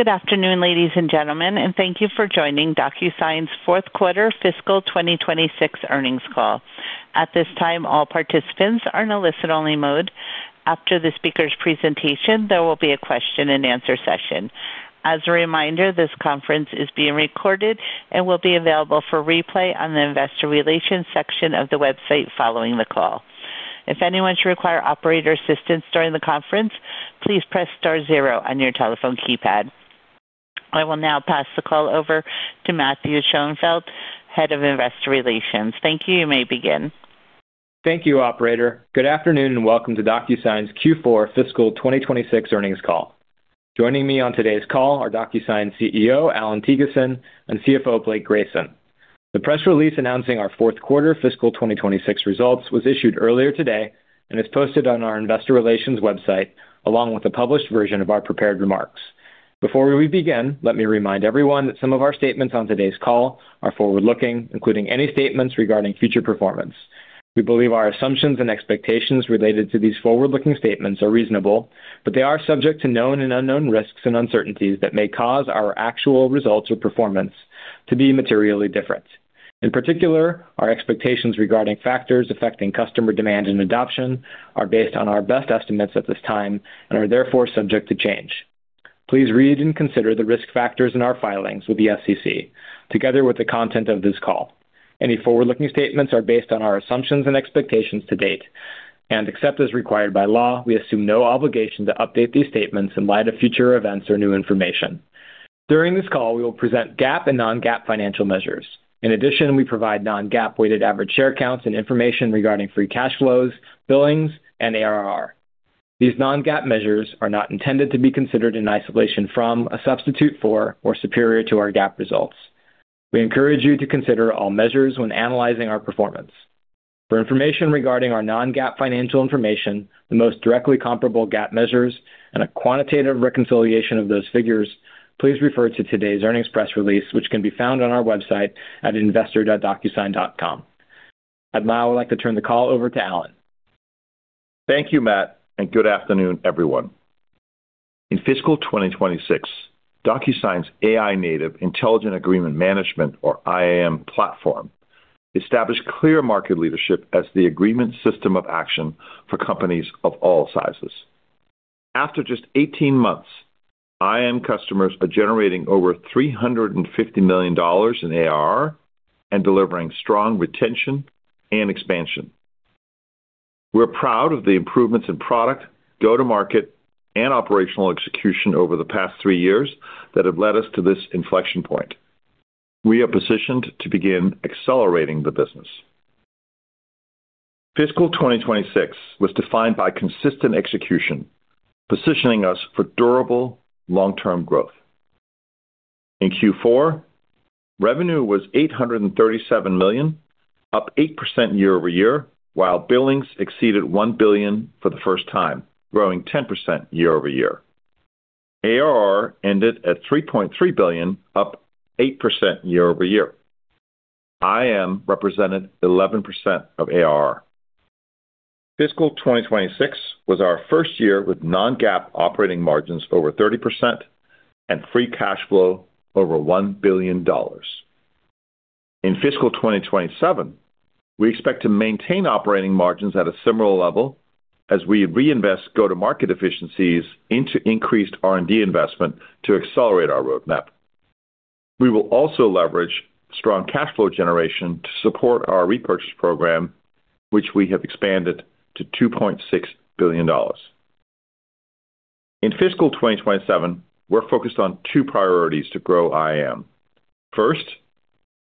Good afternoon, ladies and gentlemen, and thank you for joining DocuSign's Fourth Quarter Fiscal 2026 earnings call. At this time, all participants are in a listen-only mode. After the speaker's presentation, there will be a question-and-answer session. As a reminder, this conference is being recorded and will be available for replay on the investor relations section of the website following the call. If anyone should require operator assistance during the conference, please press star zero on your telephone keypad. I will now pass the call over to Matthew Sonefeldt, Head of Investor Relations. Thank you. You may begin. Thank you, operator. Good afternoon, and welcome to DocuSign's Q4 fiscal 2026 earnings call. Joining me on today's call are DocuSign CEO, Allan Thygesen, and CFO, Blake Grayson. The press release announcing our fourth quarter fiscal 2026 results was issued earlier today and is posted on our investor relations website, along with a published version of our prepared remarks. Before we begin, let me remind everyone that some of our statements on today's call are forward-looking, including any statements regarding future performance. We believe our assumptions and expectations related to these forward-looking statements are reasonable, but they are subject to known and unknown risks and uncertainties that may cause our actual results or performance to be materially different. In particular, our expectations regarding factors affecting customer demand and adoption are based on our best estimates at this time and are therefore subject to change. Please read and consider the risk factors in our filings with the SEC, together with the content of this call. Any forward-looking statements are based on our assumptions and expectations to date, and except as required by law, we assume no obligation to update these statements in light of future events or new information. During this call, we will present GAAP and non-GAAP financial measures. In addition, we provide non-GAAP weighted average share counts and information regarding free cash flows, billings, and ARR. These non-GAAP measures are not intended to be considered in isolation or as a substitute for or superior to our GAAP results. We encourage you to consider all measures when analyzing our performance. For information regarding our non-GAAP financial information, the most directly comparable GAAP measures, and a quantitative reconciliation of those figures, please refer to today's earnings press release, which can be found on our website at investor.docusign.com. I'd now like to turn the call over to Allan. Thank you, Matt, and good afternoon, everyone. In fiscal 2026, DocuSign's AI native intelligent agreement management or IAM platform established clear market leadership as the agreement system of action for companies of all sizes. After just 18 months, IAM customers are generating over $350 million in ARR and delivering strong retention and expansion. We're proud of the improvements in product, go-to-market, and operational execution over the past three years that have led us to this inflection point. We are positioned to begin accelerating the business. Fiscal 2026 was defined by consistent execution, positioning us for durable long-term growth. In Q4, revenue was $837 million, up 8% year-over-year, while billings exceeded $1 billion for the first time, growing 10% year-over-year. ARR ended at $3.3 billion, up 8% year-over-year. IAM represented 11% of ARR. Fiscal 2026 was our first year with non-GAAP operating margins over 30% and free cash flow over $1 billion. In fiscal 2027, we expect to maintain operating margins at a similar level as we reinvest go-to-market efficiencies into increased R&D investment to accelerate our roadmap. We will also leverage strong cash flow generation to support our repurchase program, which we have expanded to $2.6 billion. In fiscal 2027, we're focused on two priorities to grow IAM. First,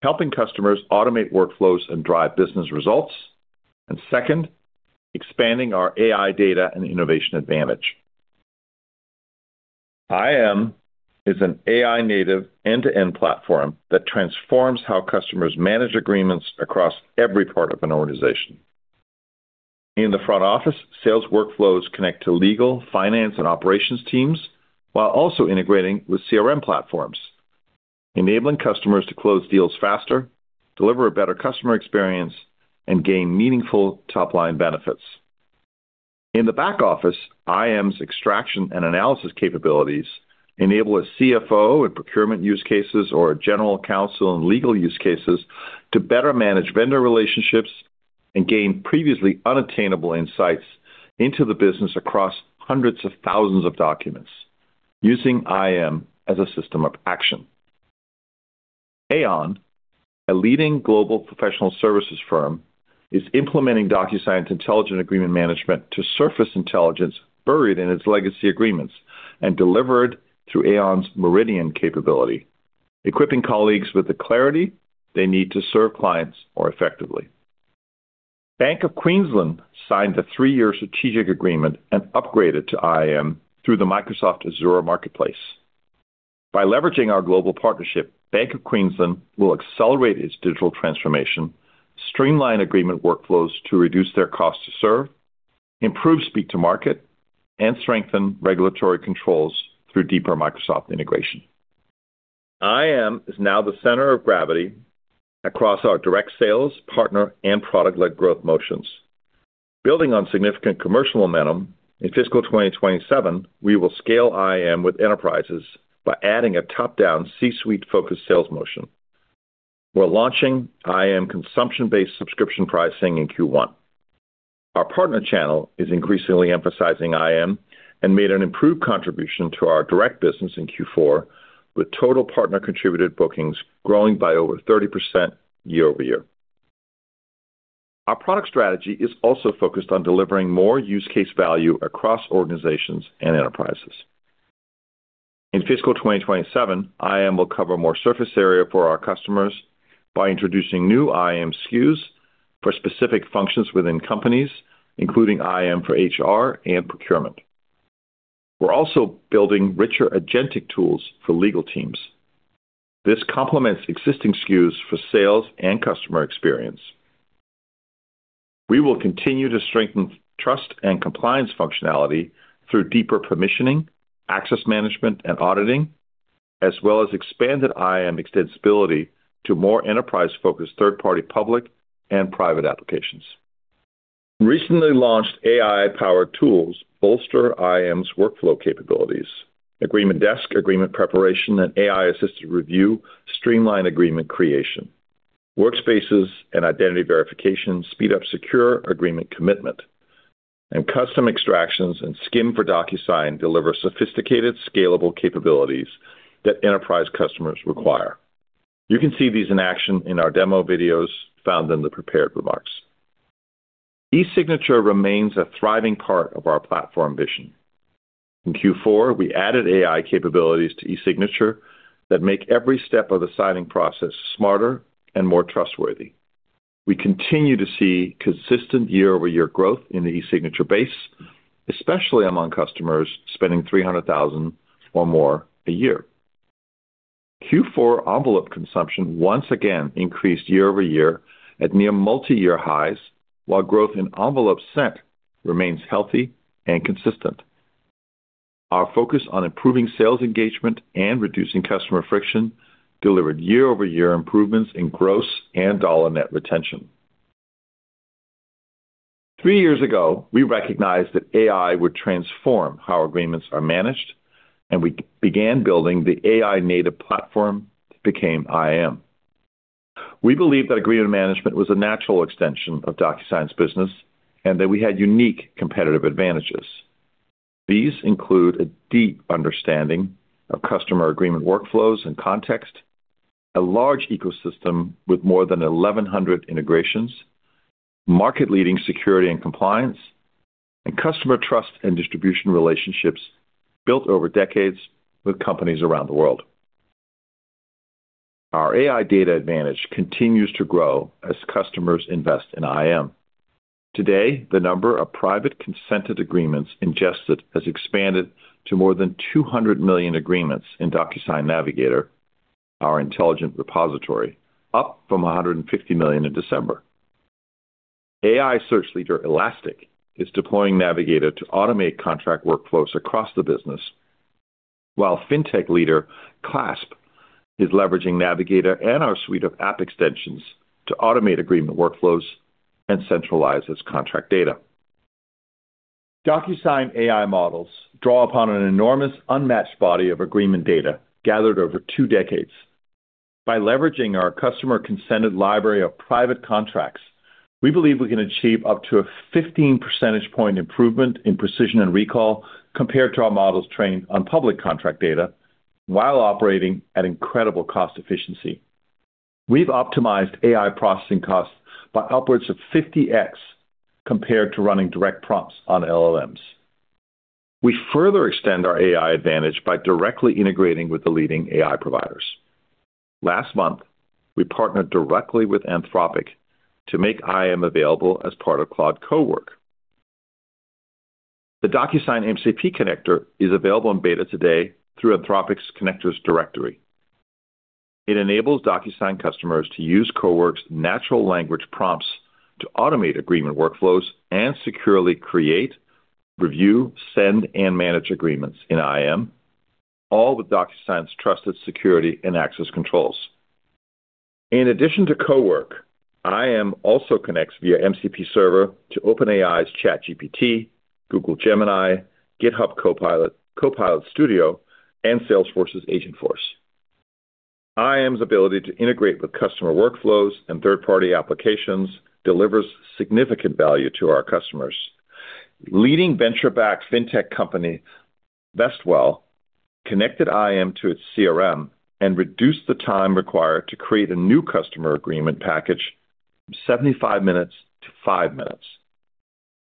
helping customers automate workflows and drive business results. Second, expanding our AI data and innovation advantage. IAM is an AI native end-to-end platform that transforms how customers manage agreements across every part of an organization. In the front office, sales workflows connect to legal, finance, and operations teams while also integrating with CRM platforms, enabling customers to close deals faster, deliver a better customer experience, and gain meaningful top-line benefits. In the back office, IAM's extraction and analysis capabilities enable a CFO in procurement use cases or a general counsel in legal use cases to better manage vendor relationships and gain previously unattainable insights into the business across hundreds of thousands of documents using IAM as a system of action. Aon, a leading global professional services firm, is implementing DocuSign's Intelligent Agreement Management to surface intelligence buried in its legacy agreements and delivered through Aon's Meridian capability, equipping colleagues with the clarity they need to serve clients more effectively. Bank of Queensland signed a three-year strategic agreement and upgraded to IAM through the Microsoft Azure Marketplace. By leveraging our global partnership, Bank of Queensland will accelerate its digital transformation, streamline agreement workflows to reduce their cost to serve, improve speed to market, and strengthen regulatory controls through deeper Microsoft integrations. IAM is now the center of gravity across our direct sales, partner, and product-led growth motions. Building on significant commercial momentum, in fiscal 2027, we will scale IAM with enterprises by adding a top-down C-suite-focused sales motion. We're launching IAM consumption-based subscription pricing in Q1. Our partner channel is increasingly emphasizing IAM and made an improved contribution to our direct business in Q4, with total partner-contributed bookings growing by over 30% year-over-year. Our product strategy is also focused on delivering more use case value across organizations and enterprises. In fiscal 2027, IAM will cover more surface area for our customers by introducing new IAM SKUs for specific functions within companies, including IAM for HR and procurement. We're also building richer agentic tools for legal teams. This complements existing SKUs for sales and customer experience. We will continue to strengthen trust and compliance functionality through deeper permissioning, access management, and auditing, as well as expanded IAM extensibility to more enterprise-focused third-party public and private applications. Recently launched AI-powered tools bolster IAM's workflow capabilities. Agreement Desk, agreement preparation, and AI-assisted review streamline agreement creation. Workspaces and identity verification speed up secure agreement commitment. Custom extractions and skim for DocuSign deliver sophisticated, scalable capabilities that enterprise customers require. You can see these in action in our demo videos found in the prepared remarks. eSignature remains a thriving part of our platform vision. In Q4, we added AI capabilities to eSignature that make every step of the signing process smarter and more trustworthy. We continue to see consistent year-over-year growth in the eSignature base, especially among customers spending $300,000 or more a year. Q4 envelope consumption once again increased year over year at near multi-year highs, while growth in envelopes sent remains healthy and consistent. Our focus on improving sales engagement and reducing customer friction delivered year-over-year improvements in gross and dollar net retention. three years ago, we recognized that AI would transform how agreements are managed, and we began building the AI-native platform that became IAM. We believe that agreement management was a natural extension of DocuSign's business and that we had unique competitive advantages. These include a deep understanding of customer agreement workflows and context, a large ecosystem with more than 1,100 integrations, market-leading security and compliance, and customer trust and distribution relationships built over decades with companies around the world. Our AI data advantage continues to grow as customers invest in IAM. Today, the number of private consented agreements ingested has expanded to more than 200 million agreements in DocuSign Navigator, our intelligent repository, up from 150 million in December. AI search leader Elastic is deploying Navigator to automate contract workflows across the business, while fintech leader Clasp is leveraging Navigator and our suite of app extensions to automate agreement workflows and centralize its contract data. DocuSign AI models draw upon an enormous, unmatched body of agreement data gathered over two decades. By leveraging our customer-consented library of private contracts, we believe we can achieve up to a 15 percentage point improvement in precision and recall compared to our models trained on public contract data while operating at incredible cost efficiency. We've optimized AI processing costs by upwards of 50x compared to running direct prompts on LLMs. We further extend our AI advantage by directly integrating with the leading AI providers. Last month, we partnered directly with Anthropic to make IAM available as part of Claude's Cowork. The DocuSign MCP connector is available in beta today through Anthropic's connectors directory. It enables DocuSign customers to use Cowork's natural language prompts to automate agreement workflows and securely create, review, send, and manage agreements in IAM, all with DocuSign's trusted security and access controls. In addition to Cowork, IAM also connects via MCP server to OpenAI's ChatGPT, Google Gemini, GitHub Copilot Studio, and Salesforce's Agentforce. IAM's ability to integrate with customer workflows and third-party applications delivers significant value to our customers. Leading venture-backed fintech company Vestwell connected IAM to its CRM and reduced the time required to create a new customer agreement package from 75 minutes to five minutes.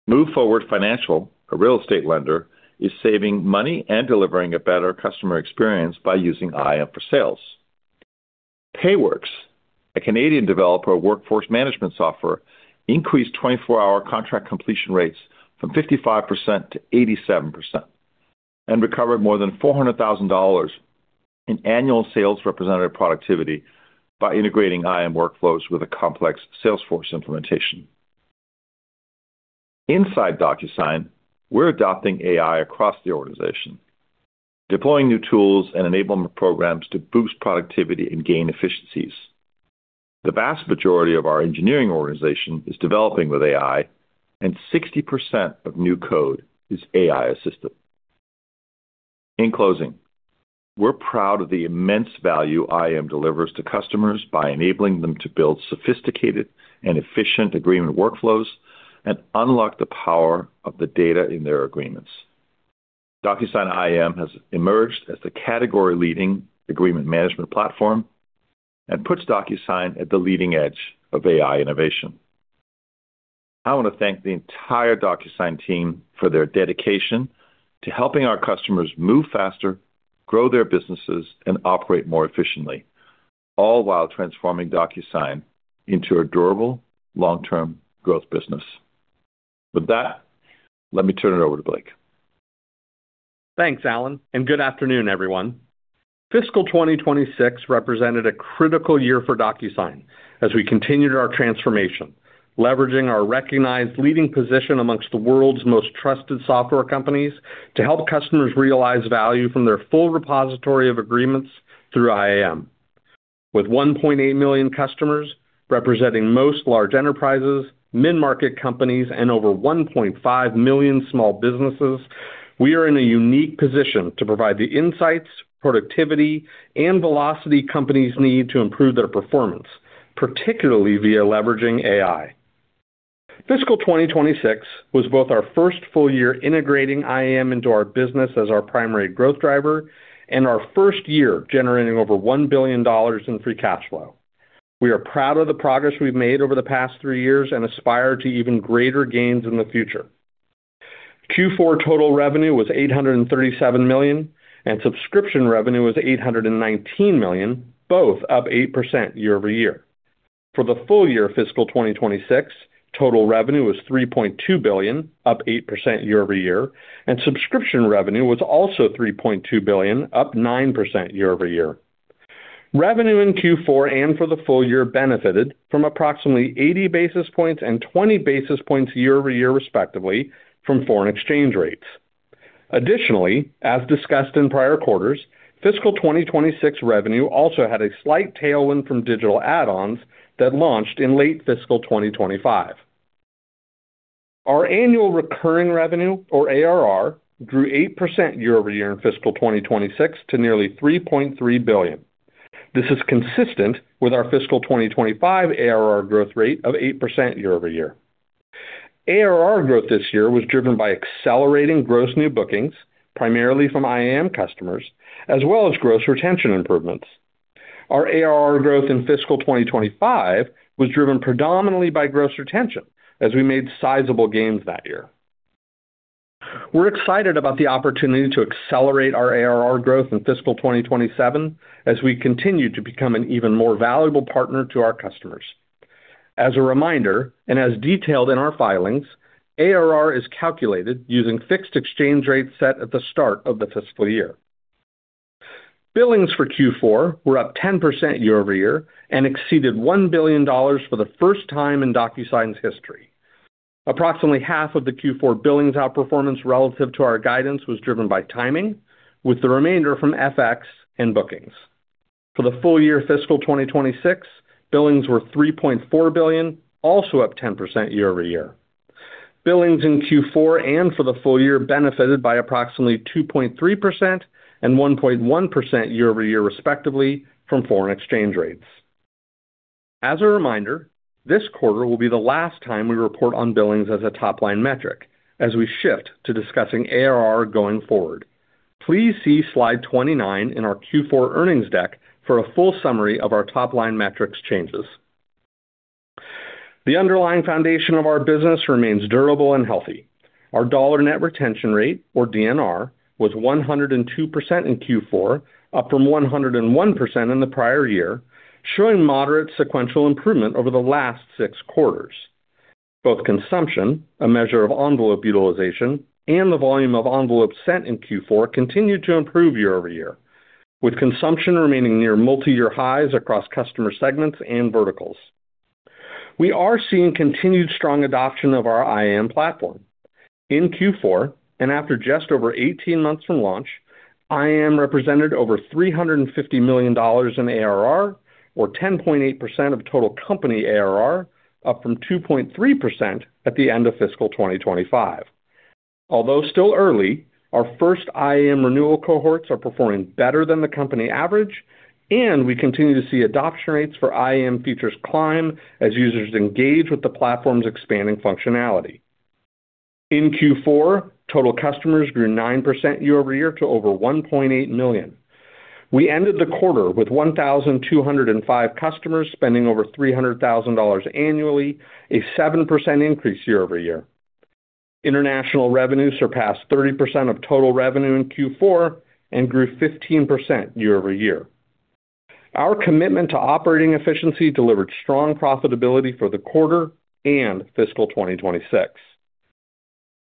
Move Forward Financial, a real estate lender, is saving money and delivering a better customer experience by using IAM for sales. Payworks, a Canadian developer of workforce management software, increased 24-hour contract completion rates from 55% to 87% and recovered more than $400,000 in annual sales representative productivity by integrating IAM workflows with a complex Salesforce implementation. Inside DocuSign, we're adopting AI across the organization, deploying new tools and enablement programs to boost productivity and gain efficiencies. The vast majority of our engineering organization is developing with AI, and 60% of new code is AI-assisted. In closing, we're proud of the immense value IAM delivers to customers by enabling them to build sophisticated and efficient agreement workflows and unlock the power of the data in their agreements. DocuSign IAM has emerged as the category-leading agreement management platform and puts DocuSign at the leading edge of AI innovation. I want to thank the entire DocuSign team for their dedication to helping our customers move faster, grow their businesses, and operate more efficiently, all while transforming DocuSign into a durable, long-term growth business. With that, let me turn it over to Blake. Thanks, Allan, and good afternoon, everyone. Fiscal 2026 represented a critical year for DocuSign as we continued our transformation, leveraging our recognized leading position among the world's most trusted software companies to help customers realize value from their full repository of agreements through IAM. With 1.8 million customers representing most large enterprises, mid-market companies, and over 1.5 million small businesses, we are in a unique position to provide the insights, productivity, and velocity companies need to improve their performance, particularly via leveraging AI. Fiscal 2026 was both our first full year integrating IAM into our business as our primary growth driver and our first year generating over $1 billion in free cash flow. We are proud of the progress we've made over the past three years and aspire to even greater gains in the future. Q4 total revenue was $837 million, and subscription revenue was $819 million, both up 8% year-over-year. For the full year fiscal 2026, total revenue was $3.2 billion, up 8% year-over-year, and subscription revenue was also $3.2 billion, up 9% year-over-year. Revenue in Q4 and for the full year benefited from approximately 80 basis points and 20 basis points year-over-year, respectively, from foreign exchange rates. Additionally, as discussed in prior quarters, fiscal 2026 revenue also had a slight tailwind from digital add-ons that launched in late fiscal 2025. Our annual recurring revenue or ARR grew 8% year-over-year in fiscal 2026 to nearly $3.3 billion. This is consistent with our fiscal 2025 ARR growth rate of 8% year-over-year. ARR growth this year was driven by accelerating gross new bookings, primarily from IAM customers, as well as gross retention improvements. Our ARR growth in fiscal 2025 was driven predominantly by gross retention as we made sizable gains that year. We're excited about the opportunity to accelerate our ARR growth in fiscal 2026 as we continue to become an even more valuable partner to our customers. As a reminder, and as detailed in our filings, ARR is calculated using fixed exchange rates set at the start of the fiscal year. Billings for Q4 were up 10% year-over-year and exceeded $1 billion for the first time in DocuSign's history. Approximately half of the Q4 billings outperformance relative to our guidance was driven by timing, with the remainder from FX and bookings. For the full year fiscal 2026, billings were $3.4 billion, also up 10% year-over-year. Billings in Q4 and for the full year benefited by approximately 2.3% and 1.1% year-over- year, respectively, from foreign exchange rates. As a reminder, this quarter will be the last time we report on billings as a top-line metric as we shift to discussing ARR going forward. Please see slide 29 in our Q4 earnings deck for a full summary of our top-line metrics changes. The underlying foundation of our business remains durable and healthy. Our dollar net retention rate, or DNR, was 102% in Q4, up from 101% in the prior year, showing moderate sequential improvement over the last 6 quarters. Both consumption, a measure of envelope utilization, and the volume of envelopes sent in Q4 continued to improve year-over-year, with consumption remaining near multi-year highs across customer segments and verticals. We are seeing continued strong adoption of our IAM platform. In Q4, and after just over 18 months from launch, IAM represented over $350 million in ARR or 10.8% of total company ARR, up from 2.3% at the end of fiscal 2025. Although still early, our first IAM renewal cohorts are performing better than the company average, and we continue to see adoption rates for IAM features climb as users engage with the platform's expanding functionality. In Q4, total customers grew 9% year-over-year to over 1.8 million. We ended the quarter with 1,205 customers spending over $300,000 annually, a 7% increase year-over-year. International revenue surpassed 30% of total revenue in Q4 and grew 15% year-over-year. Our commitment to operating efficiency delivered strong profitability for the quarter and fiscal 2026.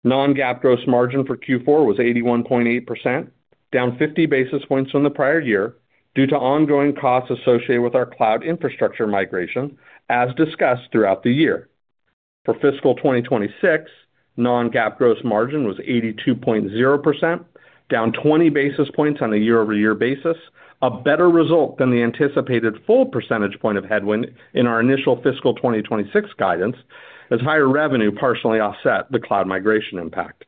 Non-GAAP gross margin for Q4 was 81.8%, down 50 basis points from the prior year due to ongoing costs associated with our cloud infrastructure migration, as discussed throughout the year. For fiscal 2026, non-GAAP gross margin was 82.0%, down 20 basis points on a year-over-year basis, a better result than the anticipated full percentage point of headwind in our initial fiscal 2026 guidance as higher revenue partially offset the cloud migration impact.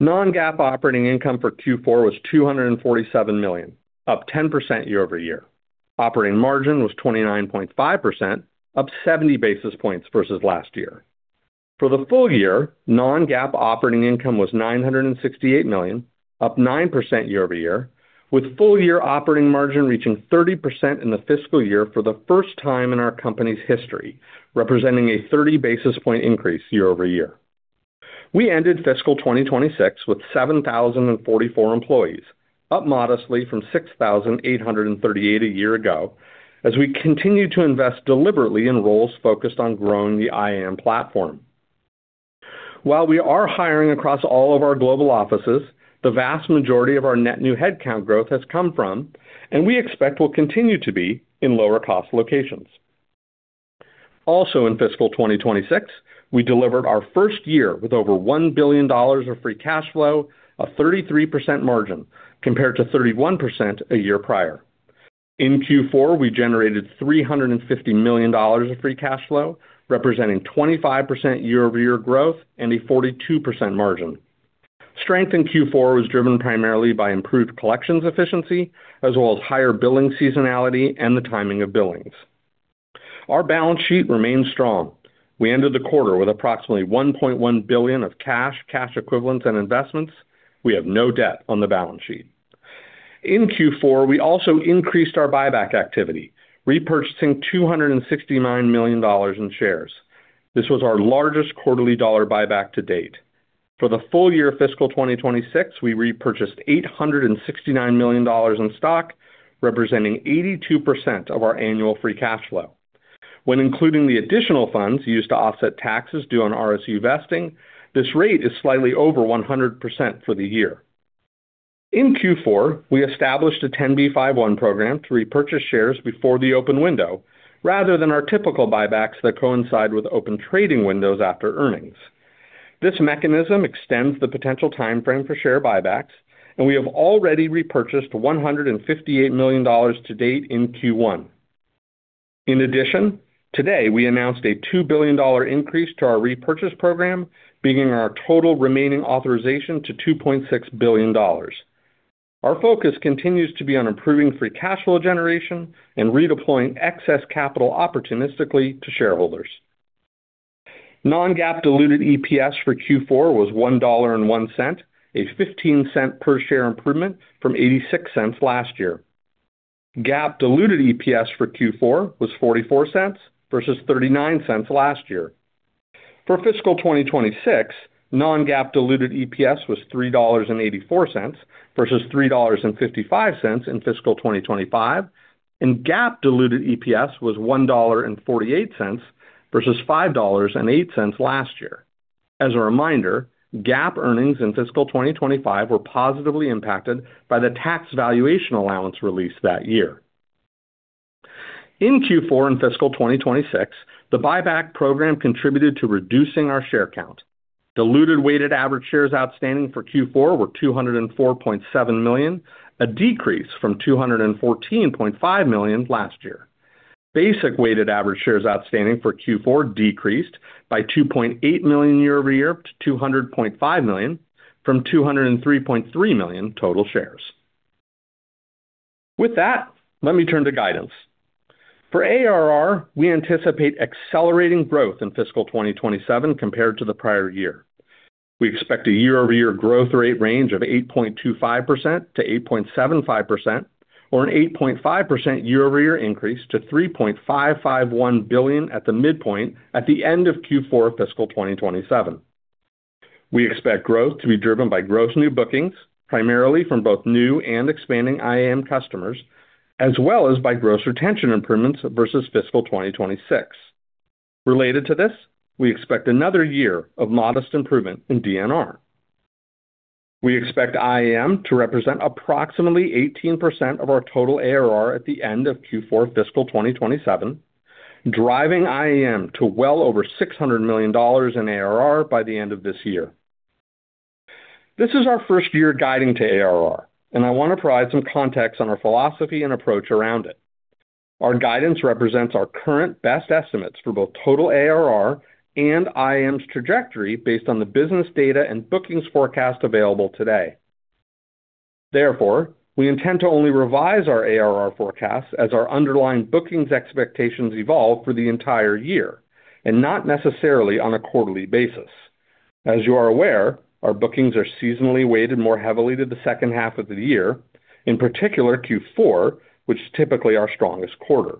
Non-GAAP operating income for Q4 was $247 million, up 10% year-over-year. Operating margin was 29.5%, up 70 basis points versus last year. For the full year, non-GAAP operating income was $968 million, up 9% year-over-year, with full year operating margin reaching 30% in the fiscal year for the first time in our company's history, representing a 30 basis point increase year-over-year. We ended fiscal 2026 with 7,044 employees, up modestly from 6,838 a year ago, as we continue to invest deliberately in roles focused on growing the IAM platform. While we are hiring across all of our global offices, the vast majority of our net new headcount growth has come from, and we expect will continue to be in lower cost locations. In fiscal 2026, we delivered our first year with over $1 billion of free cash flow, a 33% margin compared to 31% a year prior. In Q4, we generated $350 million of free cash flow, representing 25% year-over-year growth and a 42% margin. Strength in Q4 was driven primarily by improved collections efficiency as well as higher billing seasonality and the timing of billings. Our balance sheet remains strong. We ended the quarter with approximately $1.1 billion of cash equivalents, and investments. We have no debt on the balance sheet. In Q4, we also increased our buyback activity, repurchasing $269 million in shares. This was our largest quarterly dollar buyback to date. For the full year fiscal 2026, we repurchased $869 million in stock, representing 82% of our annual free cash flow. When including the additional funds used to offset taxes due on RSUs vesting, this rate is slightly over 100% for the year. In Q4, we established a 10b5-1 program to repurchase shares before the open window rather than our typical buybacks that coincide with open trading windows after earnings. This mechanism extends the potential timeframe for share buybacks, and we have already repurchased $158 million to date in Q1. In addition, today we announced a $2 billion increase to our repurchase program, bringing our total remaining authorization to $2.6 billion. Our focus continues to be on improving free cash flow generation and redeploying excess capital opportunistically to shareholders. Non-GAAP diluted EPS for Q4 was $1.01, a 15-cent per share improvement from $0.86 last year. GAAP diluted EPS for Q4 was $0.44 versus $0.39 last year. For fiscal 2026, non-GAAP diluted EPS was $3.84 versus $3.55 in fiscal 2025, and GAAP diluted EPS was $1.48 versus $5.08 last year. As a reminder, GAAP earnings in fiscal 2025 were positively impacted by the tax valuation allowance released that year. In Q4 and fiscal 2026, the buyback program contributed to reducing our share count. Diluted weighted average shares outstanding for Q4 were 204.7 million, a decrease from 214.5 million last year. Basic weighted average shares outstanding for Q4 decreased by 2.8 million year-over-year to 200.5 million from 203.3 million total shares. With that, let me turn to guidance. For ARR, we anticipate accelerating growth in fiscal 2027 compared to the prior year. We expect a year-over-year growth rate range of 8.25% to 8.75% or an 8.5% year-over-year increase to $3.551 billion at the midpoint at the end of Q4 fiscal 2027. We expect growth to be driven by gross new bookings, primarily from both new and expanding IAM customers, as well as by gross retention improvements versus fiscal 2026. Related to this, we expect another year of modest improvement in DNR. We expect IAM to represent approximately 18% of our total ARR at the end of Q4 fiscal 2027, driving IAM to well over $600 million in ARR by the end of this year. This is our first year guiding to ARR, and I want to provide some context on our philosophy and approach around it. Our guidance represents our current best estimates for both total ARR and IAM's trajectory based on the business data and bookings forecast available today. Therefore, we intend to only revise our ARR forecasts as our underlying bookings expectations evolve for the entire year, and not necessarily on a quarterly basis. As you are aware, our bookings are seasonally weighted more heavily to the second half of the year, in particular Q4, which is typically our strongest quarter.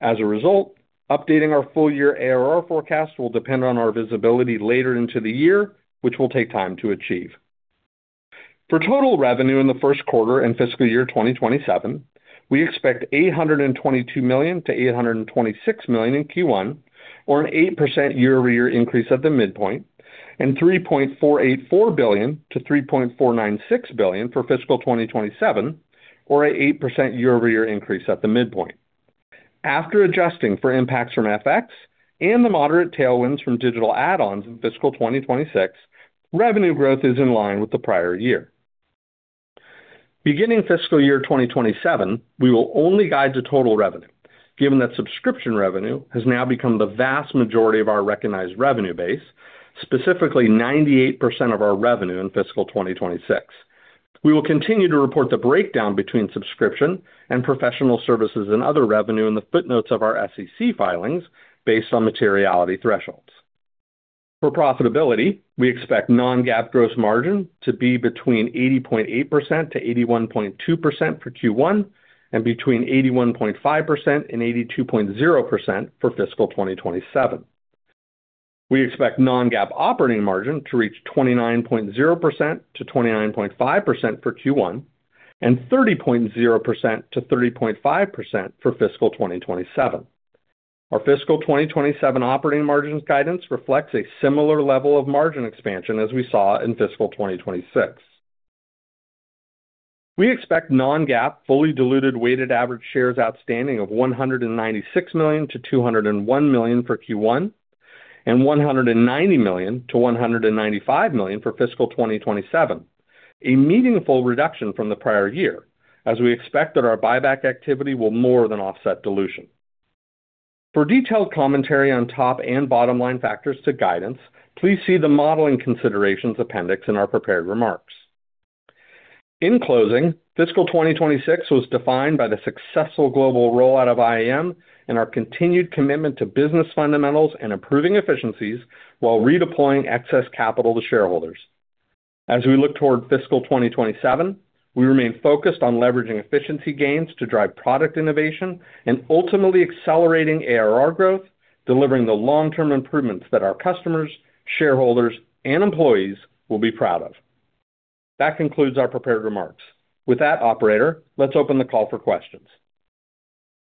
As a result, updating our full year ARR forecast will depend on our visibility later into the year, which will take time to achieve. For total revenue in the first quarter and fiscal year 2027, we expect $822 million to $826 million in Q1, or an 8% year-over-year increase at the midpoint, and $3.484 billion to $3.496 billion for fiscal 2027, or an 8% year-over-year increase at the midpoint. After adjusting for impacts from FX and the moderate tailwinds from digital add-ons in fiscal 2026, revenue growth is in line with the prior year. Beginning fiscal year 2027, we will only guide to total revenue, given that subscription revenue has now become the vast majority of our recognized revenue base, specifically 98% of our revenue in fiscal 2026. We will continue to report the breakdown between subscription and professional services and other revenue in the footnotes of our SEC filings based on materiality thresholds. For profitability, we expect non-GAAP gross margin to be between 80.8% to 81.2% for Q1 and between 81.5% to 82.0% for fiscal 2027. We expect non-GAAP operating margin to reach 29.0% to 29.5% for Q1 and 30.0% to 30.5% for fiscal 2027. Our fiscal 2027 operating margins guidance reflects a similar level of margin expansion as we saw in fiscal 2026. We expect non-GAAP fully diluted weighted average shares outstanding of 196 million-201 million for Q1 and 190 million-195 million for fiscal 2027, a meaningful reduction from the prior year, as we expect that our buyback activity will more than offset dilution. For detailed commentary on top and bottom line factors to guidance, please see the modeling considerations appendix in our prepared remarks. In closing, fiscal 2026 was defined by the successful global rollout of IAM and our continued commitment to business fundamentals and improving efficiencies while redeploying excess capital to shareholders. As we look toward fiscal 2027, we remain focused on leveraging efficiency gains to drive product innovation and ultimately accelerating ARR growth, delivering the long-term improvements that our customers, shareholders, and employees will be proud of. That concludes our prepared remarks. With that, operator, let's open the call for questions.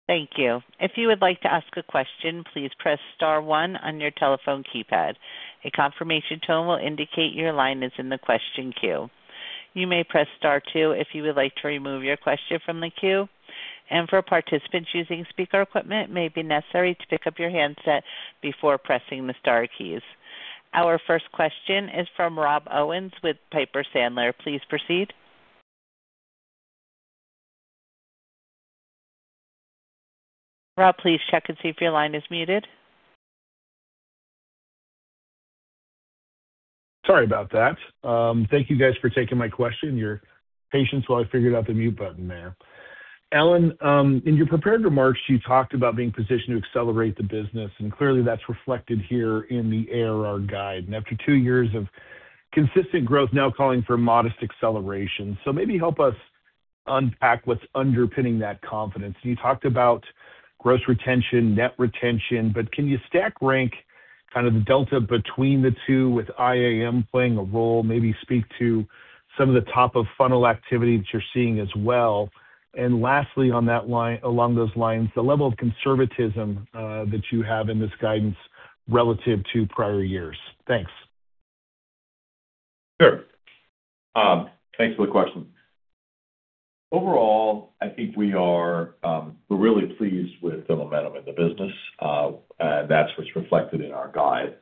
Thank you. If you would like to ask a question, please press star one on your telephone keypad. A confirmation tone will indicate your line is in the question queue. You may press star two if you would like to remove your question from the queue. For participants using speaker equipment, it may be necessary to pick up your handset before pressing the star keys. Our first question is from Rob Owens with Piper Sandler. Please proceed. Rob, please check and see if your line is muted. Sorry about that. Thank you guys for taking my question, your patience while I figured out the mute button there. Allan, in your prepared remarks, you talked about being positioned to accelerate the business, and clearly that's reflected here in the ARR guide. After two years of consistent growth, now calling for modest acceleration. Maybe help us unpack what's underpinning that confidence. You talked about gross retention, net retention, but can you stack rank kind of the delta between the two with IAM playing a role? Maybe speak to some of the top of funnel activity that you're seeing as well. Lastly, along those lines, the level of conservatism that you have in this guidance relative to prior years. Thanks. Sure. Thanks for the question. Overall, I think we're really pleased with the momentum in the business, and that's what's reflected in our guide.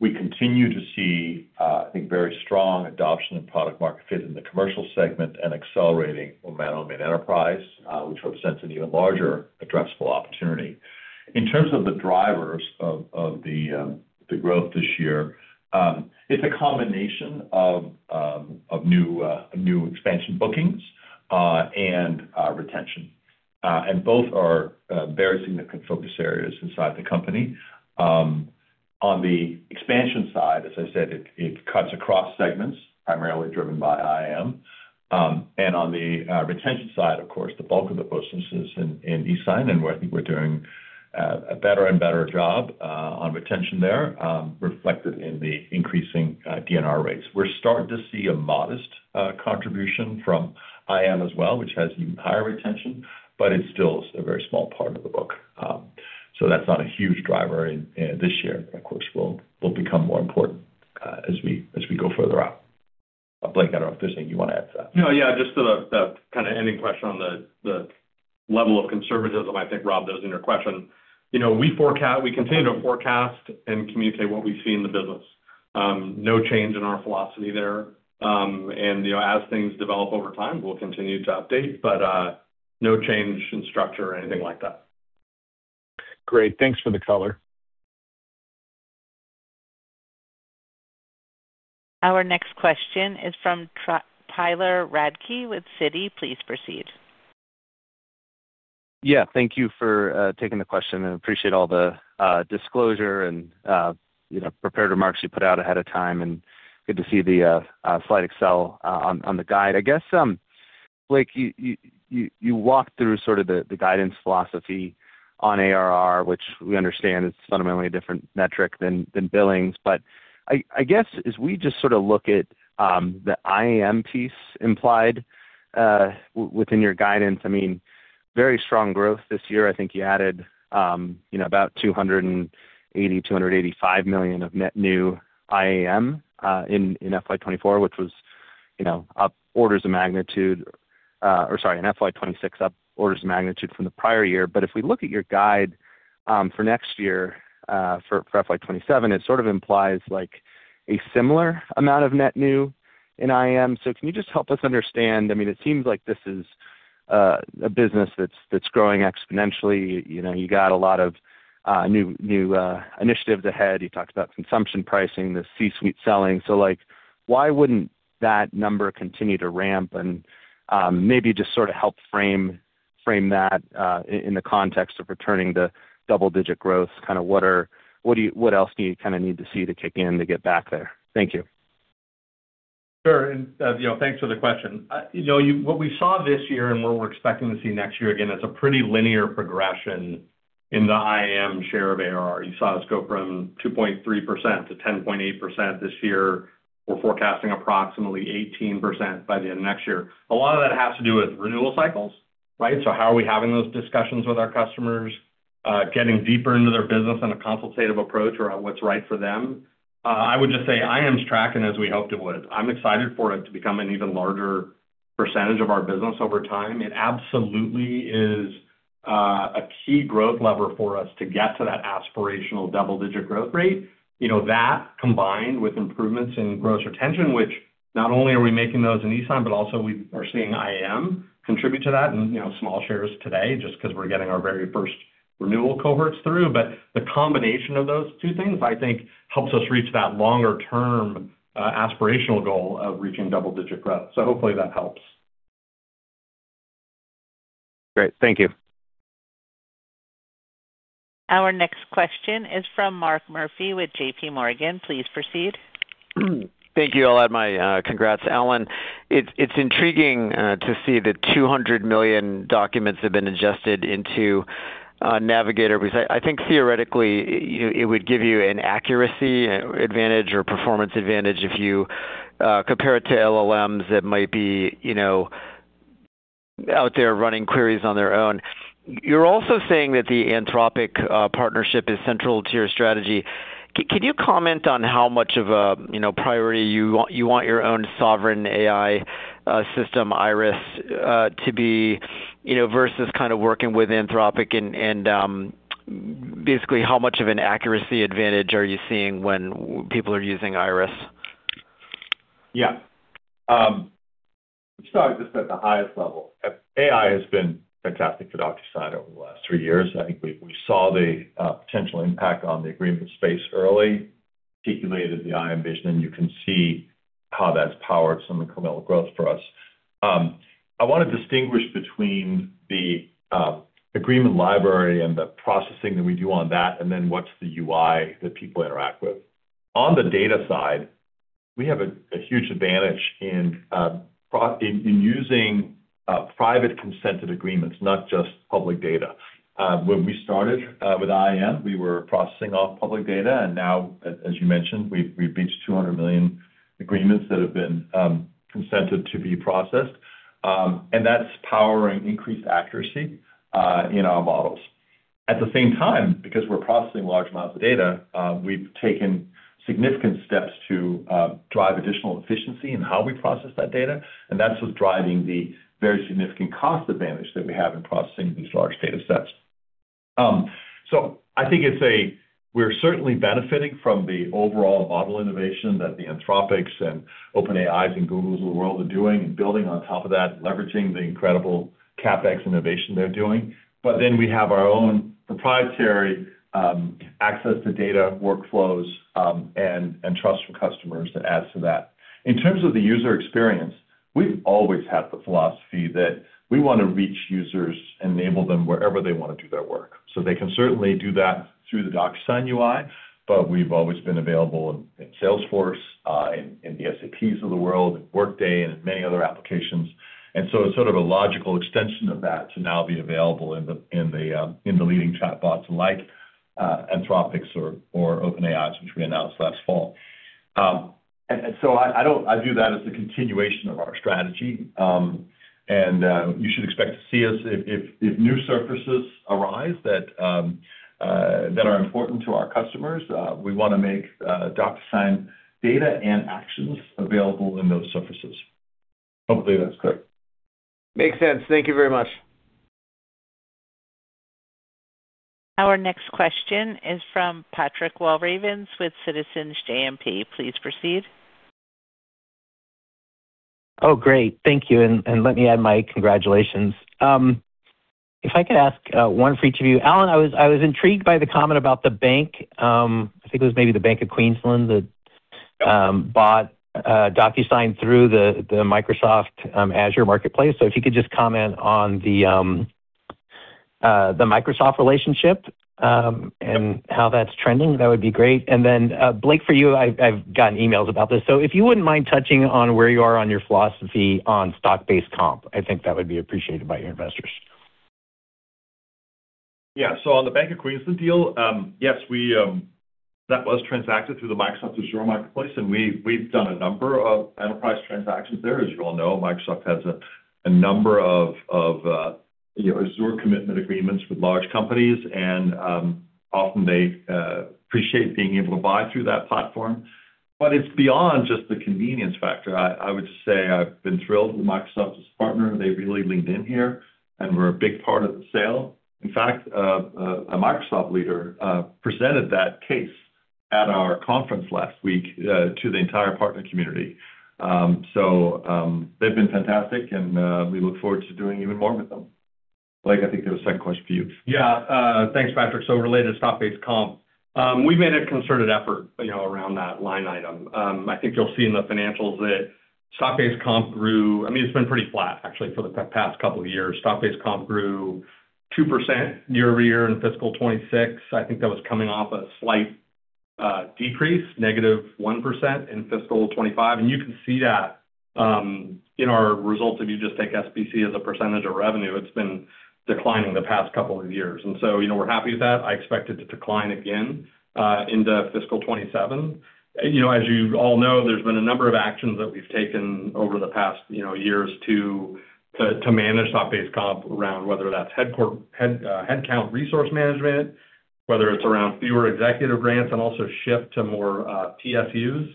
We continue to see, I think very strong adoption and product market fit in the commercial segment and accelerating momentum in enterprise, which represents an even larger addressable opportunity. In terms of the drivers of the growth this year, it's a combination of new expansion bookings and retention. Both are very significant focus areas inside the company. On the expansion side, as I said, it cuts across segments primarily driven by IAM. On the retention side, of course, the bulk of the business is in eSign, and I think we're doing a better and better job on retention there, reflected in the increasing DNR rates. We're starting to see a modest contribution from IAM as well, which has even higher retention, but it's still a very small part of the book. So that's not a huge driver in this year, but of course will become more important as we go further out. Blake, I don't know if there's anything you want to add to that. No, yeah, just to the kinda ending question on the level of conservatism, I think, Rob, that was in your question. You know, we continue to forecast and communicate what we see in the business. No change in our philosophy there. You know, as things develop over time, we'll continue to update, but no change in structure or anything like that. Great. Thanks for the color. Our next question is from Tyler Radke with Citi. Please proceed. Yeah. Thank you for taking the question, and appreciate all the disclosure and, you know, prepared remarks you put out ahead of time, and good to see the slide deck on the guide. I guess, Blake, you walked through sort of the guidance philosophy on ARR, which we understand is fundamentally a different metric than billings. I guess as we just sorta look at the IAM piece implied within your guidance, I mean, very strong growth this year. I think you added, you know, about $285 million of net new IAM in FY 2024, which was, you know, up orders of magnitude, or sorry, in FY 2026 up orders of magnitude from the prior year. If we look at your guide for next year for FY 2027, it sort of implies like a similar amount of net new in IAM. So can you just help us understand? I mean, it seems like this is a business that's growing exponentially. You know, you got a lot of new initiatives ahead. You talked about consumption pricing, the C-suite selling. So, like, why wouldn't that number continue to ramp? And maybe just sorta help frame that in the context of returning to double-digit growth. Kinda what else do you kinda need to see to kick in to get back there? Thank you. Sure. You know, thanks for the question. You know, what we saw this year and what we're expecting to see next year, again, is a pretty linear progression in the IAM share of ARR. You saw us go from 2.3% to 10.8% this year. We're forecasting approximately 18% by the end of next year. A lot of that has to do with renewal cycles, right? So how are we having those discussions with our customers, getting deeper into their business in a consultative approach around what's right for them. I would just say IAM's tracking as we hoped it would. I'm excited for it to become an even larger percentage of our business over time. It absolutely is, a key growth lever for us to get to that aspirational double-digit growth rate. You know, that combined with improvements in gross retention, which not only are we making those in eSign, but also we are seeing IAM contribute to that in, you know, small shares today just 'cause we're getting our very first renewal cohorts through. The combination of those two things, I think, helps us reach that longer-term, aspirational goal of reaching double-digit growth. Hopefully that helps. Great. Thank you. Our next question is from Mark Murphy with JP Morgan. Please proceed. Thank you. I'll add my congrats, Allan. It's intriguing to see the 200 million documents have been ingested into Navigator because I think theoretically it would give you an accuracy advantage or performance advantage if you compare it to LLMs that might be, you know, out there running queries on their own. You're also saying that the Anthropic partnership is central to your strategy. Can you comment on how much of a, you know, priority you want your own sovereign AI system, Iris, to be, you know, versus kind of working with Anthropic and basically how much of an accuracy advantage are you seeing when people are using Iris? Yeah. Let me start just at the highest level. AI has been fantastic for DocuSign over the last three years. I think we saw the potential impact on the agreement space early, particularly with the IAM vision, and you can see how that's powered some incremental growth for us. I wanna distinguish between the agreement library and the processing that we do on that and then what's the UI that people interact with. On the data side, we have a huge advantage in using private consented agreements, not just public data. When we started with IAM, we were processing off public data, and now, as you mentioned, we've reached 200 million agreements that have been consented to be processed, and that's powering increased accuracy in our models. At the same time, because we're processing large amounts of data, we've taken significant steps to drive additional efficiency in how we process that data, and that's what's driving the very significant cost advantage that we have in processing these large data sets. I think we're certainly benefiting from the overall model innovation that the Anthropic and OpenAI and Google of the world are doing and building on top of that, leveraging the incredible CapEx innovation they're doing. We have our own proprietary access to data workflows and trust from customers that adds to that. In terms of the user experience, we've always had the philosophy that we wanna reach users and enable them wherever they wanna do their work. They can certainly do that through the DocuSign UI, but we've always been available in Salesforce, in the SAPs of the world, Workday, and in many other applications. It's sort of a logical extension of that to now be available in the leading chatbots like Anthropic or OpenAI, which we announced last fall. I view that as a continuation of our strategy. You should expect to see us if new surfaces arise that are important to our customers. We wanna make DocuSign data and actions available in those surfaces. Hopefully that's clear. Makes sense. Thank you very much. Our next question is from Patrick Walravens with Citizens JMP. Please proceed. Oh, great. Thank you, and let me add my congratulations. If I could ask one for each of you. Allan, I was intrigued by the comment about the bank, I think it was maybe the Bank of Queensland that bought DocuSign through the Microsoft Azure marketplace. If you could just comment on the The Microsoft relationship, and how that's trending, that would be great. Blake, for you, I've gotten emails about this. If you wouldn't mind touching on where you are on your philosophy on stock-based comp. I think that would be appreciated by your investors. Yeah. On the Bank of Queensland deal, yes, that was transacted through the Microsoft Azure marketplace, and we've done a number of enterprise transactions there. As you all know, Microsoft has a number of Azure commitment agreements with large companies, and often they appreciate being able to buy through that platform. But it's beyond just the convenience factor. I would just say I've been thrilled with Microsoft as a partner. They've really leaned in here and were a big part of the sale. In fact, a Microsoft leader presented that case at our conference last week to the entire partner community. So, they've been fantastic, and we look forward to doing even more with them. Blake, I think there was a second question for you. Yeah. Thanks, Patrick. Related to stock-based comp, we've made a concerted effort, you know, around that line item. I think you'll see in the financials that stock-based comp grew. I mean, it's been pretty flat actually for the past couple of years. Stock-based comp grew 2% year-over-year in fiscal 2026. I think that was coming off a slight decrease, -1% in fiscal 2025. You can see that in our results, if you just take SBC as a percentage of revenue, it's been declining the past couple of years. You know, we're happy with that. I expect it to decline again into fiscal 2027. You know, as you all know, there's been a number of actions that we've taken over the past, you know, years to manage stock-based comp around, whether that's headcount resource management, whether it's around fewer executive grants and also shift to more RSUs,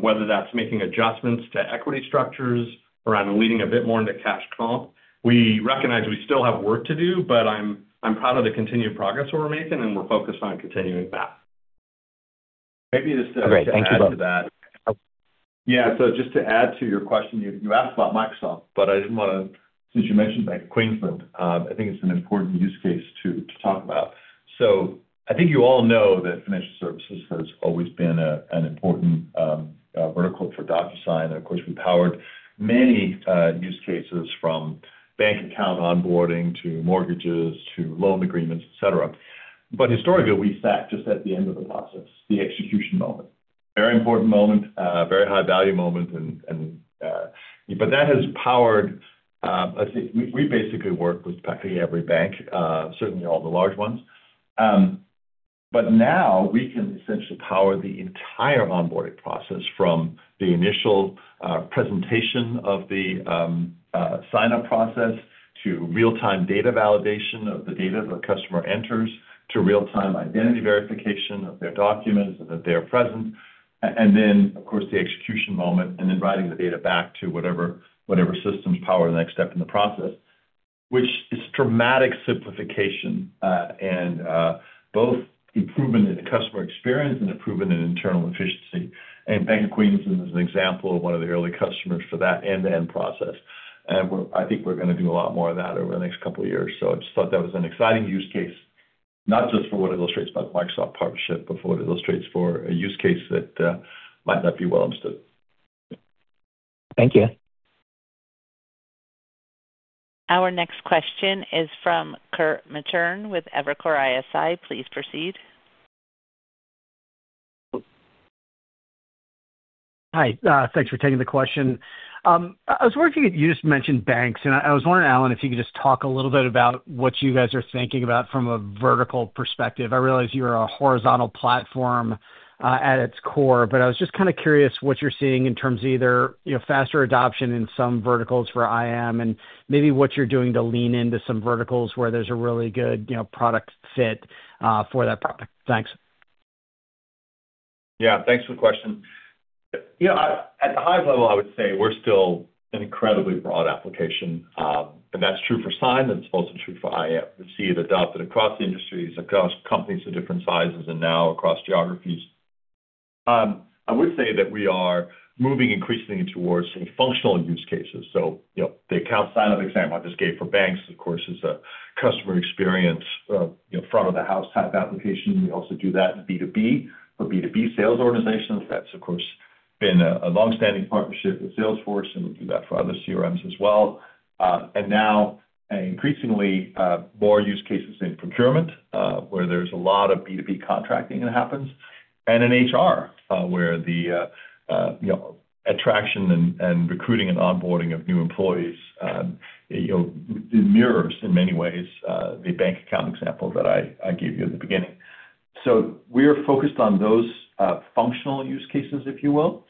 whether that's making adjustments to equity structures around leaning a bit more into cash comp. We recognize we still have work to do, but I'm proud of the continued progress that we're making, and we're focused on continuing that. Maybe just to add to that. Great. Thank you both. Yeah. Just to add to your question, you asked about Microsoft, but I just wanna, since you mentioned Bank of Queensland, I think it's an important use case to talk about. I think you all know that financial services has always been an important vertical for DocuSign. Of course, we powered many use cases from bank account onboarding to mortgages to loan agreements, et cetera. Historically, we sat just at the end of the process, the execution moment. Very important moment, very high value moment. That has powered. We basically work with practically every bank, certainly all the large ones. Now we can essentially power the entire onboarding process from the initial presentation of the sign-up process to real-time data validation of the data the customer enters, to real-time identity verification of their documents and that they are present, and then, of course, the execution moment, and then writing the data back to whatever systems power the next step in the process, which is dramatic simplification, and both improvement in the customer experience and improvement in internal efficiency. Bank of Queensland is an example of one of the early customers for that end-to-end process. I think we're gonna do a lot more of that over the next couple of years. I just thought that was an exciting use case, not just for what it illustrates about the Microsoft partnership, but for what it illustrates for a use case that might not be well understood. Thank you. Our next question is from Kirk Materne with Evercore ISI. Please proceed. Hi. Thanks for taking the question. I was wondering, you just mentioned banks, and I was wondering, Allan, if you could just talk a little bit about what you guys are thinking about from a vertical perspective. I realize you're a horizontal platform at its core, but I was just kinda curious what you're seeing in terms of either, you know, faster adoption in some verticals for IAM and maybe what you're doing to lean into some verticals where there's a really good, you know, product fit for that product. Thanks. Yeah. Thanks for the question. Yeah. At a high level, I would say we're still an incredibly broad application, and that's true for sign, that's also true for IAM. We see it adopted across the industries, across companies of different sizes, and now across geographies. I would say that we are moving increasingly towards some functional use cases. You know, the account sign-up example I just gave for banks, of course, is a customer experience, you know, front of the house type application. We also do that in B2B for B2B sales organizations. That's, of course, been a long-standing partnership with Salesforce, and we do that for other CRMs as well. Now increasingly, more use cases in procurement, where there's a lot of B2B contracting that happens, and in HR, where the, you know, attraction and recruiting and onboarding of new employees, you know, mirrors in many ways, the bank account example that I gave you at the beginning. We're focused on those functional use cases, if you will,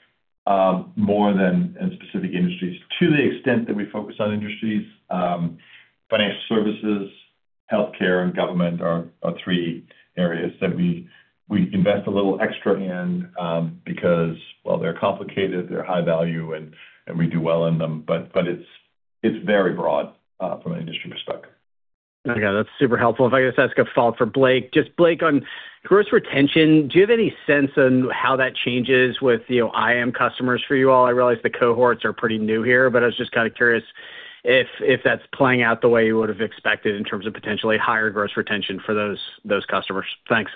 more than in specific industries. To the extent that we focus on industries, financial services, healthcare, and government are three areas that we invest a little extra in, because, well, they're complicated, they're high value, and we do well in them. It's very broad from an industry perspective. Okay. That's super helpful. If I could just ask a follow-up for Blake. Just Blake, on gross retention, do you have any sense on how that changes with, you know, IAM customers for you all? I realize the cohorts are pretty new here, but I was just kinda curious if that's playing out the way you would've expected in terms of potentially higher gross retention for those customers. Thanks.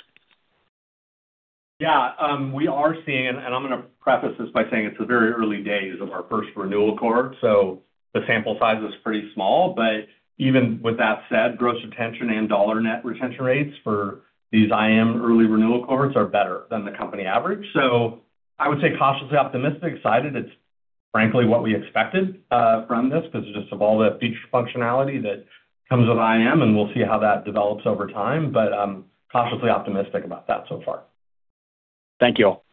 Yeah. We are seeing, and I'm gonna preface this by saying it's the very early days of our first renewal cohort, so the sample size is pretty small. Even with that said, gross retention and dollar net retention rates for these IAM early renewal cohorts are better than the company average. I would say cautiously optimistic, excited. It's frankly what we expected from this 'cause just of all the feature functionality that comes with IAM, and we'll see how that develops over time. Cautiously optimistic about that so far. Thank you all.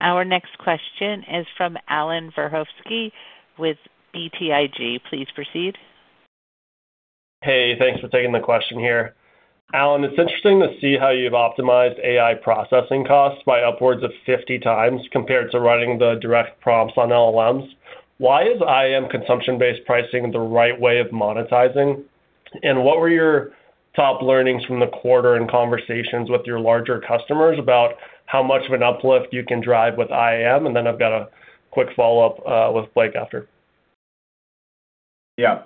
Our next question is from Allan Verkhovski with BTIG. Please proceed. Hey, thanks for taking the question here. Allan, it's interesting to see how you've optimized AI processing costs by upwards of 50x compared to running the direct prompts on LLMs. Why is IAM consumption-based pricing the right way of monetizing? I've got a quick follow-up with Blake after. Yeah.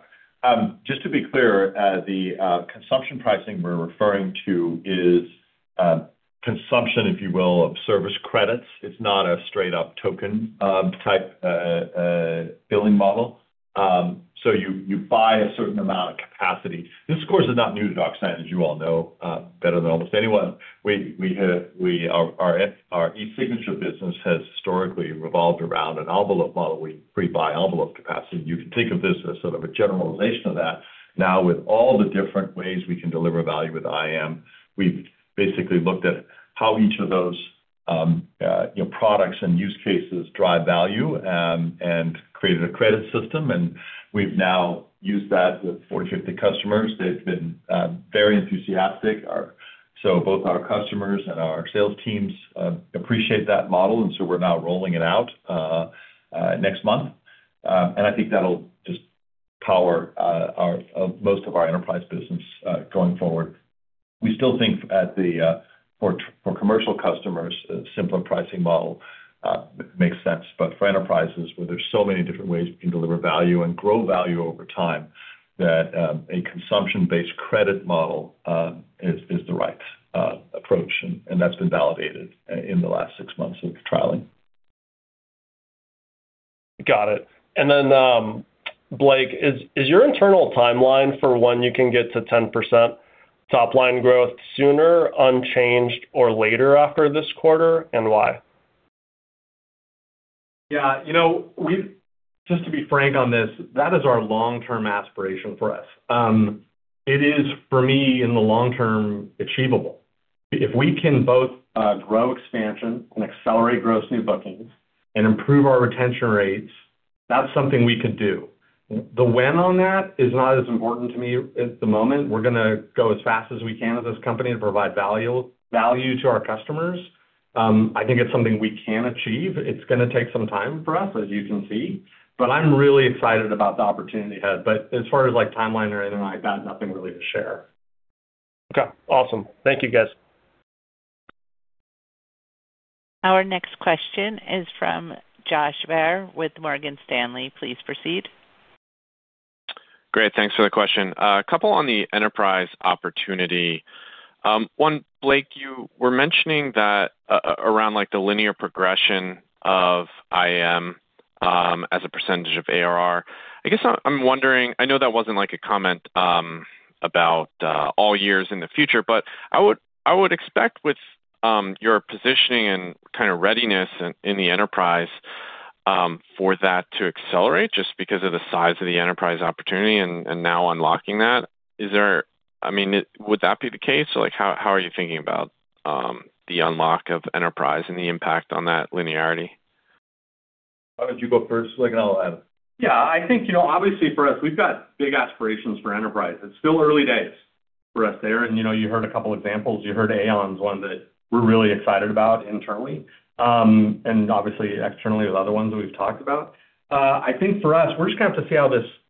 Just to be clear, the consumption pricing we're referring to is consumption, if you will, of service credits. It's not a straight up token type billing model. You buy a certain amount of capacity. This of course is not new to DocuSign, as you all know, better than almost anyone. Our eSignature business has historically revolved around an envelope model. We pre-buy envelope capacity. You can think of this as sort of a generalization of that. Now with all the different ways we can deliver value with IAM, we've basically looked at how each of those, you know, products and use cases drive value, and created a credit system, and we've now used that with 40, 50 customers. They've been very enthusiastic. Both our customers and our sales teams appreciate that model, and we're now rolling it out next month. I think that'll just power most of our enterprise business going forward. We still think that for commercial customers, a simpler pricing model makes sense. For enterprises, where there's so many different ways we can deliver value and grow value over time, that a consumption-based credit model is the right approach. That's been validated in the last six months of trialing. Got it. Blake, is your internal timeline for when you can get to 10% top line growth sooner, unchanged, or later after this quarter? Why? Yeah. You know, Just to be frank on this, that is our long-term aspiration for us. It is for me in the long term achievable. If we can both grow expansion and accelerate gross new bookings and improve our retention rates, that's something we could do. The when on that is not as important to me at the moment. We're gonna go as fast as we can as this company and provide value to our customers. I think it's something we can achieve. It's gonna take some time for us, as you can see. I'm really excited about the opportunity ahead. As far as, like, timeline or anything like that, nothing really to share. Okay, awesome. Thank you, guys. Our next question is from Josh Baer with Morgan Stanley. Please proceed. Great. Thanks for the question. A couple on the enterprise opportunity. One, Blake, you were mentioning that around, like, the linear progression of IAM, as a percentage of ARR. I guess I'm wondering, I know that wasn't, like, a comment, about all years in the future, but I would expect with your positioning and kinda readiness in the enterprise, for that to accelerate just because of the size of the enterprise opportunity and now unlocking that. Is there? I mean, it would that be the case? Like, how are you thinking about the unlock of enterprise and the impact on that linearity? Why don't you go first, Blake, and I'll add? Yeah. I think, you know, obviously for us, we've got big aspirations for enterprise. It's still early days for us there. You know, you heard a couple examples. You heard Aon's one that we're really excited about internally, and obviously externally with other ones that we've talked about. I think for us, we're just gonna have to see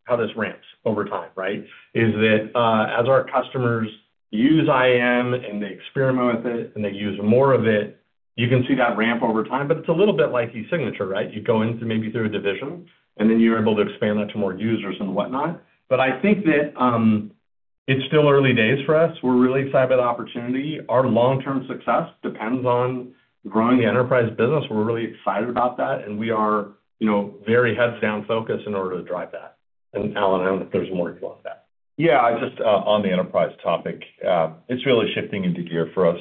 how this ramps over time, right? Is that, as our customers use IAM and they experiment with it and they use more of it, you can see that ramp over time. It's a little bit like eSignature, right? You go into maybe through a division, and then you're able to expand that to more users and whatnot. I think that, it's still early days for us. We're really excited about the opportunity. Our long-term success depends on growing the enterprise business. We're really excited about that, and we are, you know, very heads down focused in order to drive that. Allan, I don't know if there's more you'd want to add. Yeah. Just on the enterprise topic, it's really shifting into gear for us.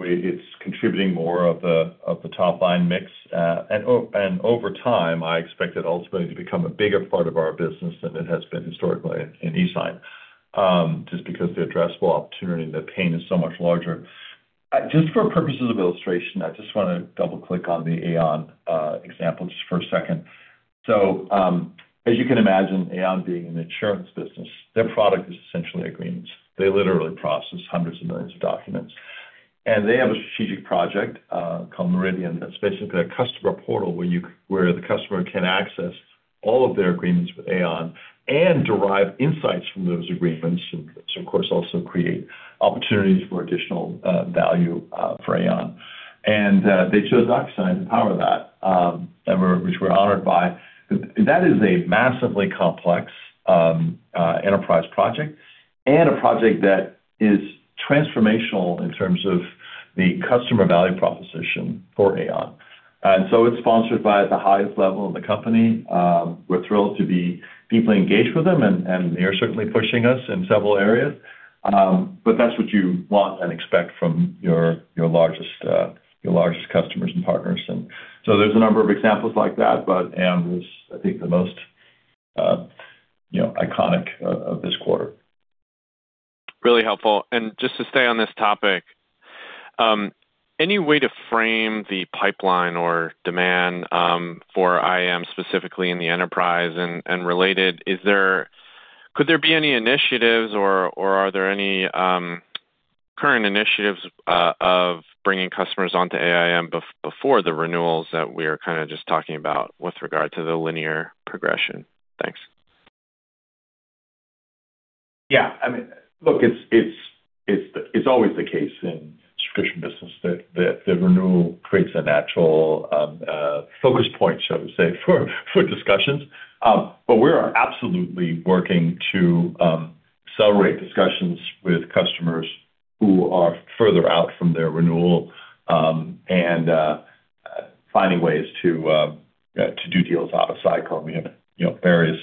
It's contributing more of the top line mix. Over time, I expect it ultimately to become a bigger part of our business than it has been historically in eSign. Just because the addressable opportunity and the pain is so much larger. Just for purposes of illustration, I just want to double-click on the Aon example just for a second. As you can imagine, Aon being an insurance business, their product is essentially agreements. They literally process hundreds of millions of documents. They have a strategic project called Meridian, that's basically a customer portal where the customer can access all of their agreements with Aon and derive insights from those agreements, and to, of course, also create opportunities for additional value for Aon. They chose DocuSign to power that, which we're honored by. That is a massively complex enterprise project and a project that is transformational in terms of the customer value proposition for Aon. It's sponsored by the highest level of the company. We're thrilled to be deeply engaged with them, and they're certainly pushing us in several areas. But that's what you want and expect from your largest customers and partners. There's a number of examples like that, but IAM was, I think, the most iconic of this quarter. Really helpful. Just to stay on this topic, any way to frame the pipeline or demand for IAM specifically in the enterprise and related, could there be any initiatives or are there any current initiatives of bringing customers onto IAM before the renewals that we're kinda just talking about with regard to the linear progression? Thanks. Yeah. I mean, look, it's always the case in subscription business that the renewal creates a natural focus point, shall we say, for discussions. We are absolutely working to accelerate discussions with customers who are further out from their renewal, and finding ways to do deals out of cycle. We have, you know, various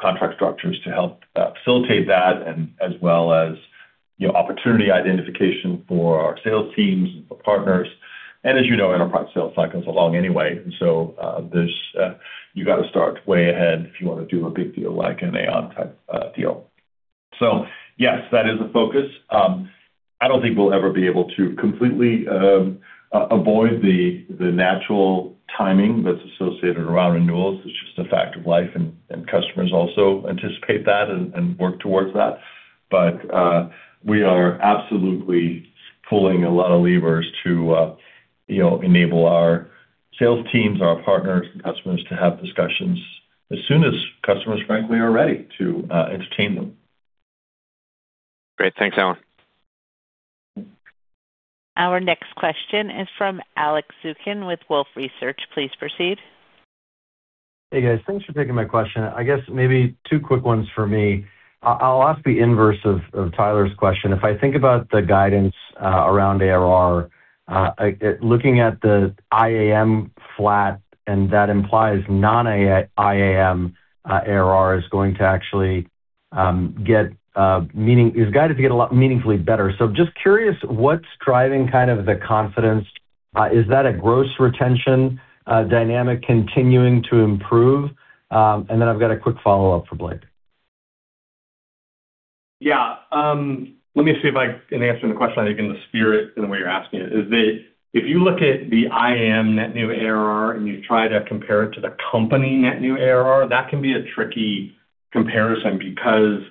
contract structures to help facilitate that and as well as, you know, opportunity identification for our sales teams and for partners. As you know, enterprise sales cycle is long anyway. There's you gotta start way ahead if you wanna do a big deal like an Aon-type deal. Yes, that is a focus. I don't think we'll ever be able to completely avoid the natural timing that's associated around renewals. It's just a fact of life, and customers also anticipate that and work towards that. We are absolutely pulling a lot of levers to you know, enable our sales teams, our partners and customers to have discussions as soon as customers, frankly, are ready to entertain them. Great. Thanks, Allan. Our next question is from Alex Zukin with Wolfe Research. Please proceed. Hey, guys. Thanks for taking my question. I guess maybe two quick ones for me. I'll ask the inverse of Tyler's question. If I think about the guidance around ARR, looking at the IAM flat, and that implies non-IAM ARR is guided to get a lot meaningfully better. Just curious, what's driving kind of the confidence? Is that a gross retention dynamic continuing to improve? I've got a quick follow-up for Blake. Yeah. Let me see if I can answer the question, I think in the spirit in the way you're asking it, is that if you look at the IAM net new ARR and you try to compare it to the company net new ARR, that can be a tricky comparison because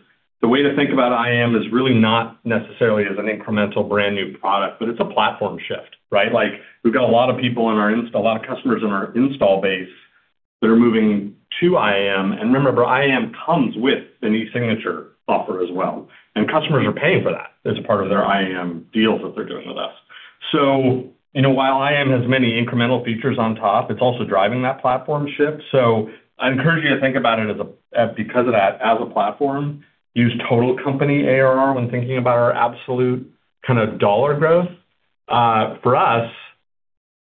the way to think about IAM is really not necessarily as an incremental brand new product, but it's a platform shift, right? Like, we've got a lot of customers in our install base that are moving to IAM, and remember, IAM comes with the new signature offer as well, and customers are paying for that as a part of their IAM deals that they're doing with us. So, you know, while IAM has many incremental features on top, it's also driving that platform shift. I encourage you to think about it as a platform, use total company ARR when thinking about our absolute kind of dollar growth. For us,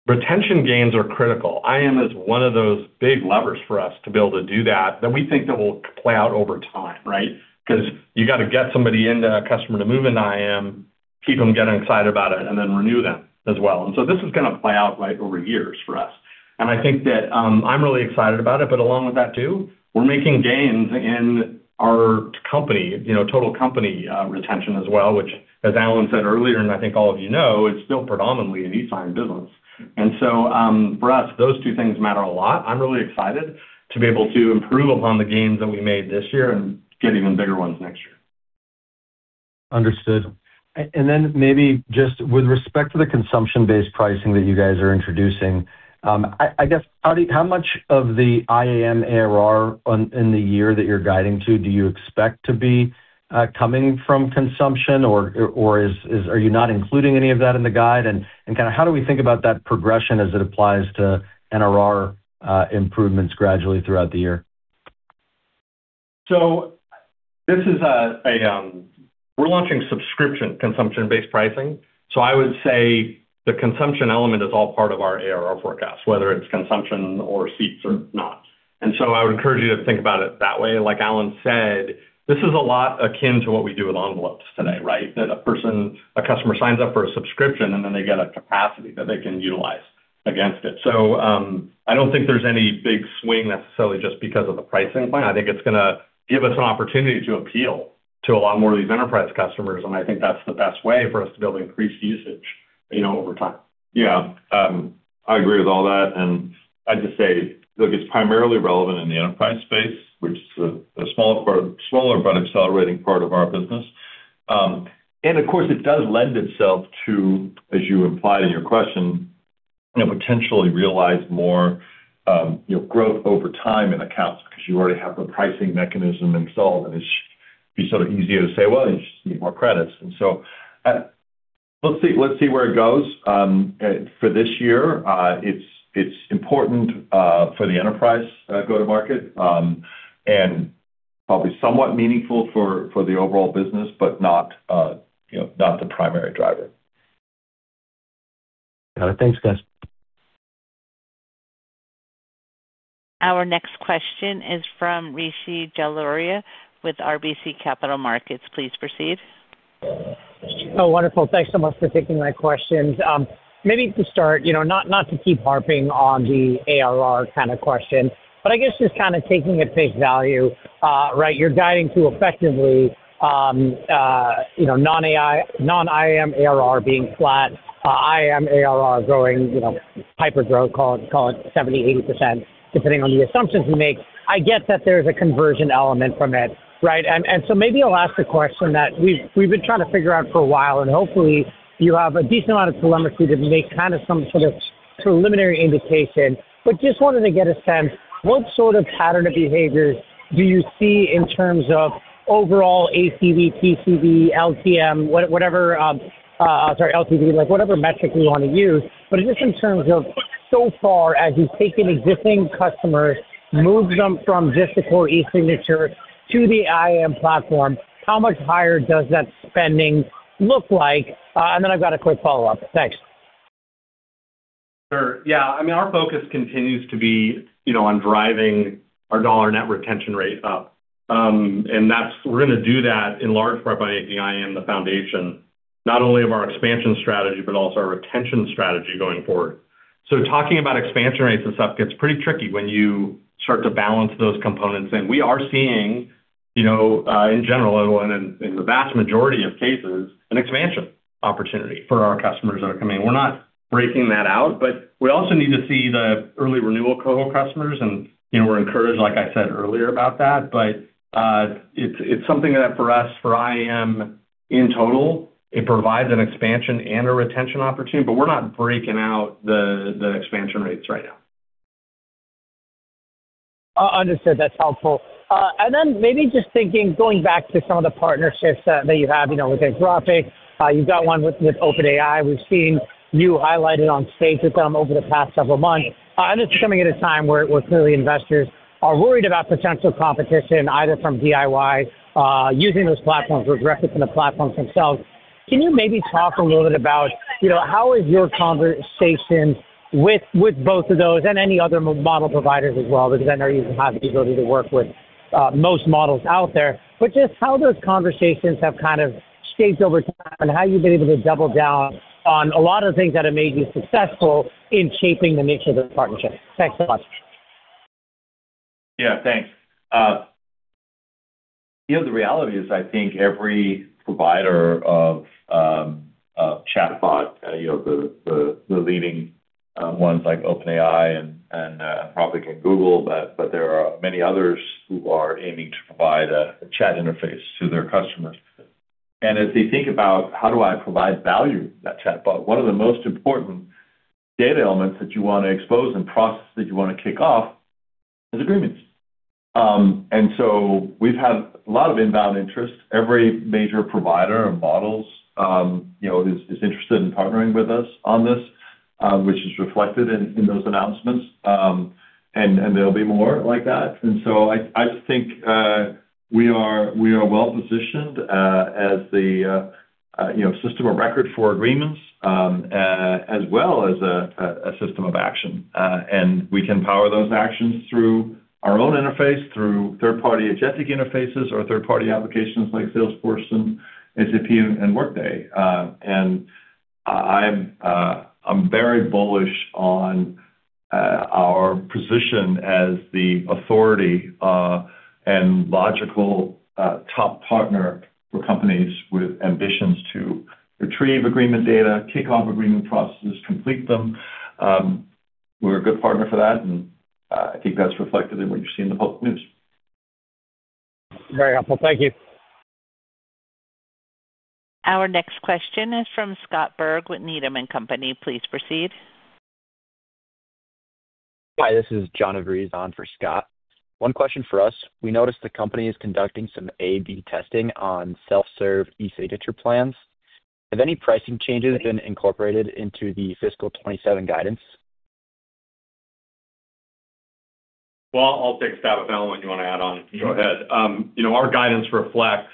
retention gains are critical. IAM is one of those big levers for us to be able to do that we think will play out over time, right? 'Cause you gotta get somebody in, the customer to move in IAM, keep them getting excited about it, and then renew them as well. This is gonna play out right over years for us. I think that, I'm really excited about it, but along with that too, we're making gains in our company, you know, total company retention as well, which as Allan said earlier, and I think all of you know, it's still predominantly an e-sign business. For us, those two things matter a lot. I'm really excited to be able to improve upon the gains that we made this year and get even bigger ones next year. Understood. Maybe just with respect to the consumption-based pricing that you guys are introducing, I guess, how much of the IAM ARR in the year that you're guiding to do you expect to be coming from consumption or are you not including any of that in the guide? Kinda how do we think about that progression as it applies to NRR improvements gradually throughout the year? We're launching subscription consumption-based pricing. I would say the consumption element is all part of our ARR forecast, whether it's consumption or seats or not. I would encourage you to think about it that way. Like Allan said, this is a lot akin to what we do with envelopes today, right? That a person, a customer signs up for a subscription, and then they get a capacity that they can utilize against it. I don't think there's any big swing necessarily just because of the pricing plan. I think it's gonna give us an opportunity to appeal to a lot more of these enterprise customers, and I think that's the best way for us to be able to increase usage, you know, over time. Yeah. I agree with all that, and I'd just say, look, it's primarily relevant in the enterprise space, which is a smaller but accelerating part of our business. Of course, it does lend itself to, as you implied in your question, you know, potentially realize more, you know, growth over time in accounts 'cause you already have the pricing mechanism installed, and it's. be sort of easier to say, "Well, you just need more credits." Let's see where it goes. For this year, it's important for the enterprise go-to-market and probably somewhat meaningful for the overall business, but not, you know, not the primary driver. Got it. Thanks, guys. Our next question is from Rishi Jaluria with RBC Capital Markets. Please proceed. Oh, wonderful. Thanks so much for taking my questions. Maybe to start, you know, not to keep harping on the ARR kind of question, but I guess just kinda taking at face value, right, you're guiding to effectively, you know, non-IAM ARR being flat, IAM ARR growing, you know, hyper-growth, call it 70% to 80%, depending on the assumptions we make. I get that there's a conversion element from it, right? Maybe I'll ask a question that we've been trying to figure out for a while, and hopefully you have a decent amount of telemetry to make kind of some sort of preliminary indication. Just wanted to get a sense, what sort of pattern of behaviors do you see in terms of overall ACV, TCV, LTM LTV, like, whatever metric we wanna use. Just in terms of so far as you've taken existing customers, moved them from just the core eSignature to the IAM platform, how much higher does that spending look like? Then I've got a quick follow-up. Thanks. Sure. Yeah. I mean, our focus continues to be, you know, on driving our dollar net retention rate up. That's. We're gonna do that in large part by API and the foundation, not only of our expansion strategy, but also our retention strategy going forward. Talking about expansion rates and stuff gets pretty tricky when you start to balance those components in. We are seeing, you know, in general and in the vast majority of cases, an expansion opportunity for our customers that are coming. We're not breaking that out, but we also need to see the early renewal cohort customers and, you know, we're encouraged, like I said earlier, about that. It's something that for us, for IAM in total, it provides an expansion and a retention opportunity, but we're not breaking out the expansion rates right now. Understood. That's helpful. Maybe just thinking, going back to some of the partnerships that you have, you know, with Anthropic. You've got one with OpenAI. We've seen you highlight it on stage with them over the past several months. It's coming at a time where clearly investors are worried about potential competition, either from DIY using those platforms or directly from the platforms themselves. Can you maybe talk a little bit about, you know, how is your conversation with both of those and any other model providers as well, because I know you have the ability to work with most models out there, but just how those conversations have kind of shaped over time and how you've been able to double down on a lot of the things that have made you successful in shaping the nature of those partnerships? Thanks so much. Yeah, thanks. You know, the reality is I think every provider of chatbot, you know, the leading ones like OpenAI and Google, but there are many others who are aiming to provide a chat interface to their customers. As they think about how do I provide value to that chatbot, one of the most important data elements that you wanna expose and processes that you wanna kick off is agreements. We've had a lot of inbound interest. Every major provider of models, you know, is interested in partnering with us on this, which is reflected in those announcements. There'll be more like that. I just think we are well-positioned, you know, as the system of record for agreements as well as a system of action. We can power those actions through our own interface, through third-party agentic interfaces or third-party applications like Salesforce and SAP and Workday. I am very bullish on our position as the authority and logical top partner for companies with ambitions to retrieve agreement data, kick off agreement processes, complete them. We're a good partner for that, and I think that's reflected in what you see in the public news. Very helpful. Thank you. Our next question is from Scott Berg with Needham & Company. Please proceed. Hi, this is John Avery on for Scott. One question for us. We noticed the company is conducting some AB testing on self-serve eSignature plans. Have any pricing changes been incorporated into the fiscal 2027 guidance? Well, I'll take a stab at that one. You wanna add on, go ahead. You know, our guidance reflects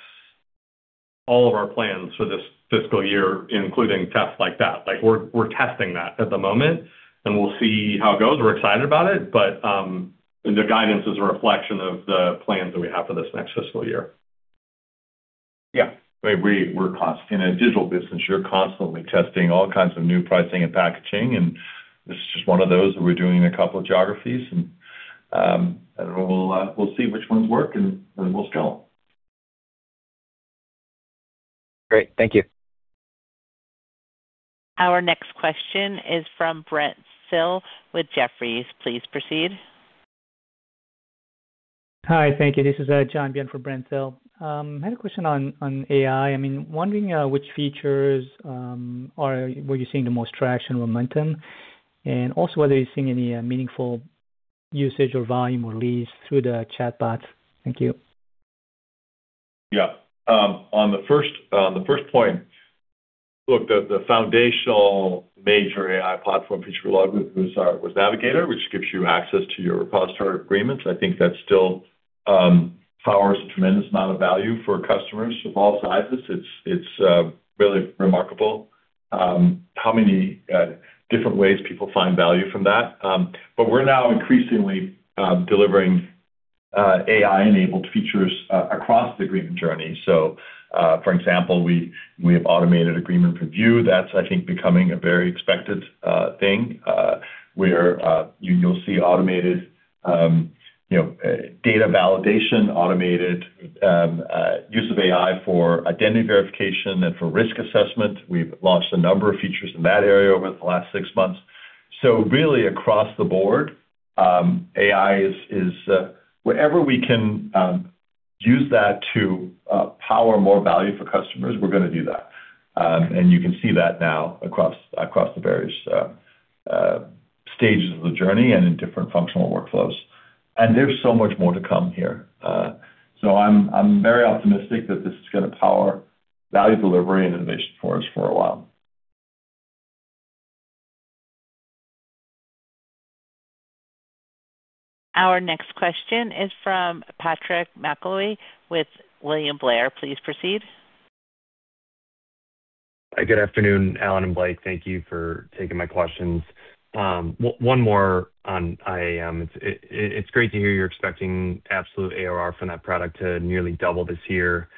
all of our plans for this fiscal year, including tests like that. Like, we're testing that at the moment, and we'll see how it goes. We're excited about it, but the guidance is a reflection of the plans that we have for this next fiscal year. Yeah. I mean, we're constantly testing all kinds of new pricing and packaging in a digital business, and this is just one of those that we're doing in a couple of geographies. I don't know, we'll see which ones work, and we'll scale. Great. Thank you. Our next question is from Brent Thill with Jefferies. Please proceed. Hi, thank you. This is John Byrne for Brent Thill. I had a question on AI. I mean, wondering which features were you seeing the most traction or momentum? Also whether you're seeing any meaningful Usage or volume or leads through the chatbots. Thank you. Yeah. On the first point, look, the foundational major AI platform feature we launched was our Navigator, which gives you access to your repository agreements. I think that still powers a tremendous amount of value for customers of all sizes. It's really remarkable how many different ways people find value from that. But we're now increasingly delivering AI-enabled features across the agreement journey. For example, we have automated agreement review. That's, I think, becoming a very expected thing where you'll see automated data validation, automated use of AI for identity verification and for risk assessment. We've launched a number of features in that area over the last six months. Really across the board, AI is wherever we can use that to power more value for customers, we're gonna do that. You can see that now across the various stages of the journey and in different functional workflows. There's so much more to come here. I'm very optimistic that this is gonna power value delivery and innovation for us for a while. Our next question is from Patrick Mcllwee with William Blair. Please proceed. Good afternoon, Allan and Blake. Thank you for taking my questions. One more on IAM. It's great to hear you're expecting absolute ARR from that product to nearly double this year.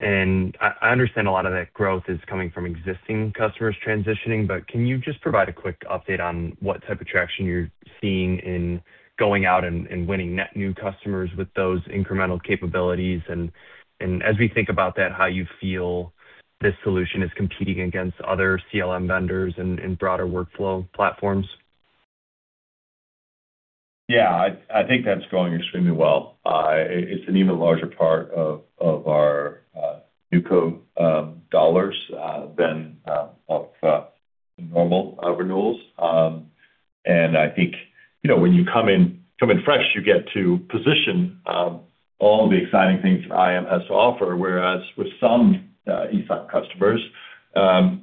I understand a lot of that growth is coming from existing customers transitioning, but can you just provide a quick update on what type of traction you're seeing in going out and winning net new customers with those incremental capabilities? As we think about that, how you feel this solution is competing against other CLM vendors and broader workflow platforms. Yeah. I think that's going extremely well. It's an even larger part of our NewCo dollars than of normal renewals. I think, you know, when you come in fresh, you get to position all the exciting things IAM has to offer, whereas with some eSignature customers,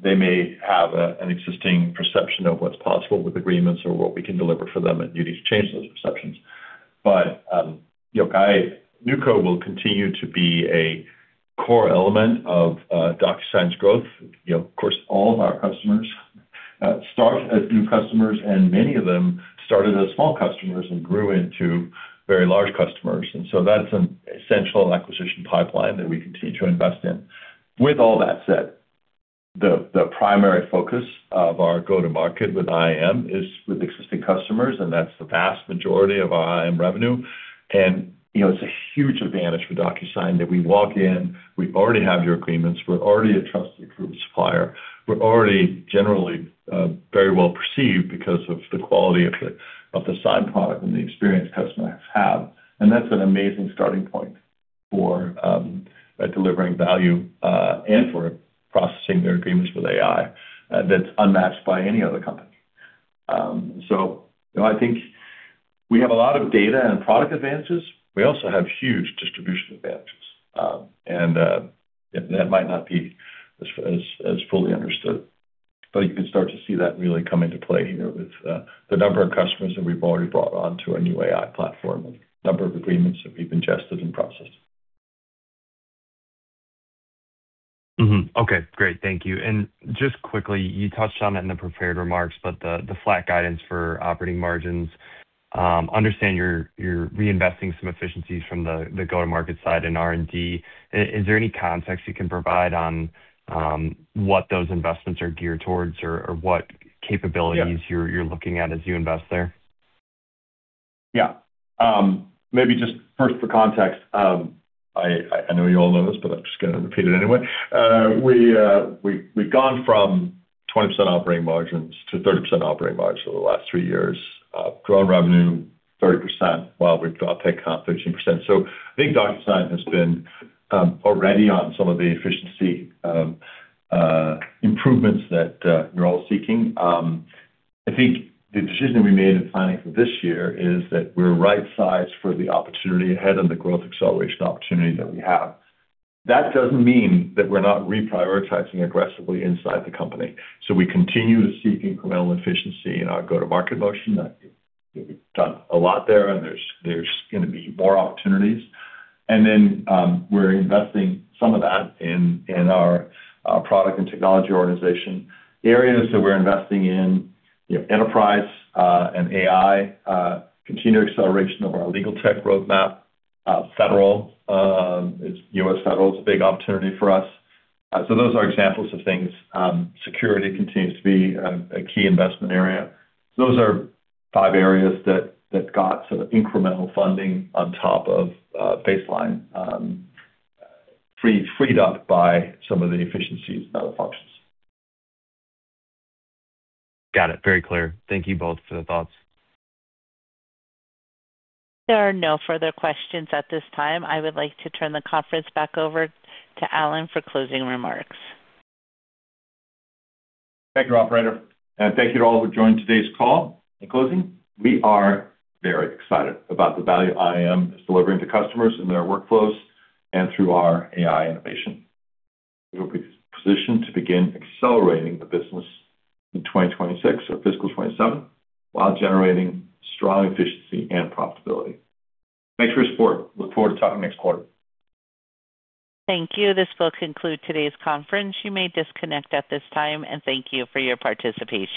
they may have an existing perception of what's possible with agreements or what we can deliver for them, and you need to change those perceptions. You know, NewCo will continue to be a core element of DocuSign's growth. You know, of course, all of our customers start as new customers, and many of them started as small customers and grew into very large customers. That's an essential acquisition pipeline that we continue to invest in. With all that said, the primary focus of our go-to-market with IAM is with existing customers, and that's the vast majority of our IAM revenue. You know, it's a huge advantage for DocuSign that we walk in, we already have your agreements, we're already a trusted approved supplier. We're already generally very well perceived because of the quality of the sign product and the experience customers have. That's an amazing starting point for delivering value and for processing their agreements with AI that's unmatched by any other company. You know, I think we have a lot of data and product advances. We also have huge distribution advances. That might not be as fully understood, but you can start to see that really come into play, you know, with the number of customers that we've already brought onto our new AI platform and number of agreements that we've ingested and processed. Mm-hmm. Okay, great. Thank you. Just quickly, you touched on it in the prepared remarks, but the flat guidance for operating margins. Understand you're reinvesting some efficiencies from the go-to-market side and R&D. Is there any context you can provide on what those investments are geared towards or what capabilities- Yeah. You're looking at as you invest there? Yeah. Maybe just first for context, I know you all know this, but I'm just gonna repeat it anyway. We've gone from 20% operating margins to 30% operating margins over the last 3 years. Grown revenue 30% while we've got OPEX comp 13%. I think DocuSign has been already on some of the efficiency improvements that we're all seeking. I think the decision we made in planning for this year is that we're right-sized for the opportunity ahead and the growth acceleration opportunity that we have. That doesn't mean that we're not reprioritizing aggressively inside the company. We continue to seek incremental efficiency in our go-to-market motion. I think we've done a lot there, and there's gonna be more opportunities. We're investing some of that in our product and technology organization. The areas that we're investing in, you know, enterprise and AI, continued acceleration of our legal tech roadmap, federal, U.S. Federal is a big opportunity for us. Those are examples of things. Security continues to be a key investment area. Those are five areas that got sort of incremental funding on top of baseline freed up by some of the efficiencies in other functions. Got it. Very clear. Thank you both for the thoughts. There are no further questions at this time. I would like to turn the conference back over to Allan for closing remarks. Thank you, operator, and thank you to all who joined today's call. In closing, we are very excited about the value IAM is delivering to customers in their workflows and through our AI innovation. We will be positioned to begin accelerating the business in 2026 or fiscal 2027, while generating strong efficiency and profitability. Thanks for your support. Look forward to talking next quarter. Thank you. This will conclude today's conference. You may disconnect at this time, and thank you for your participation.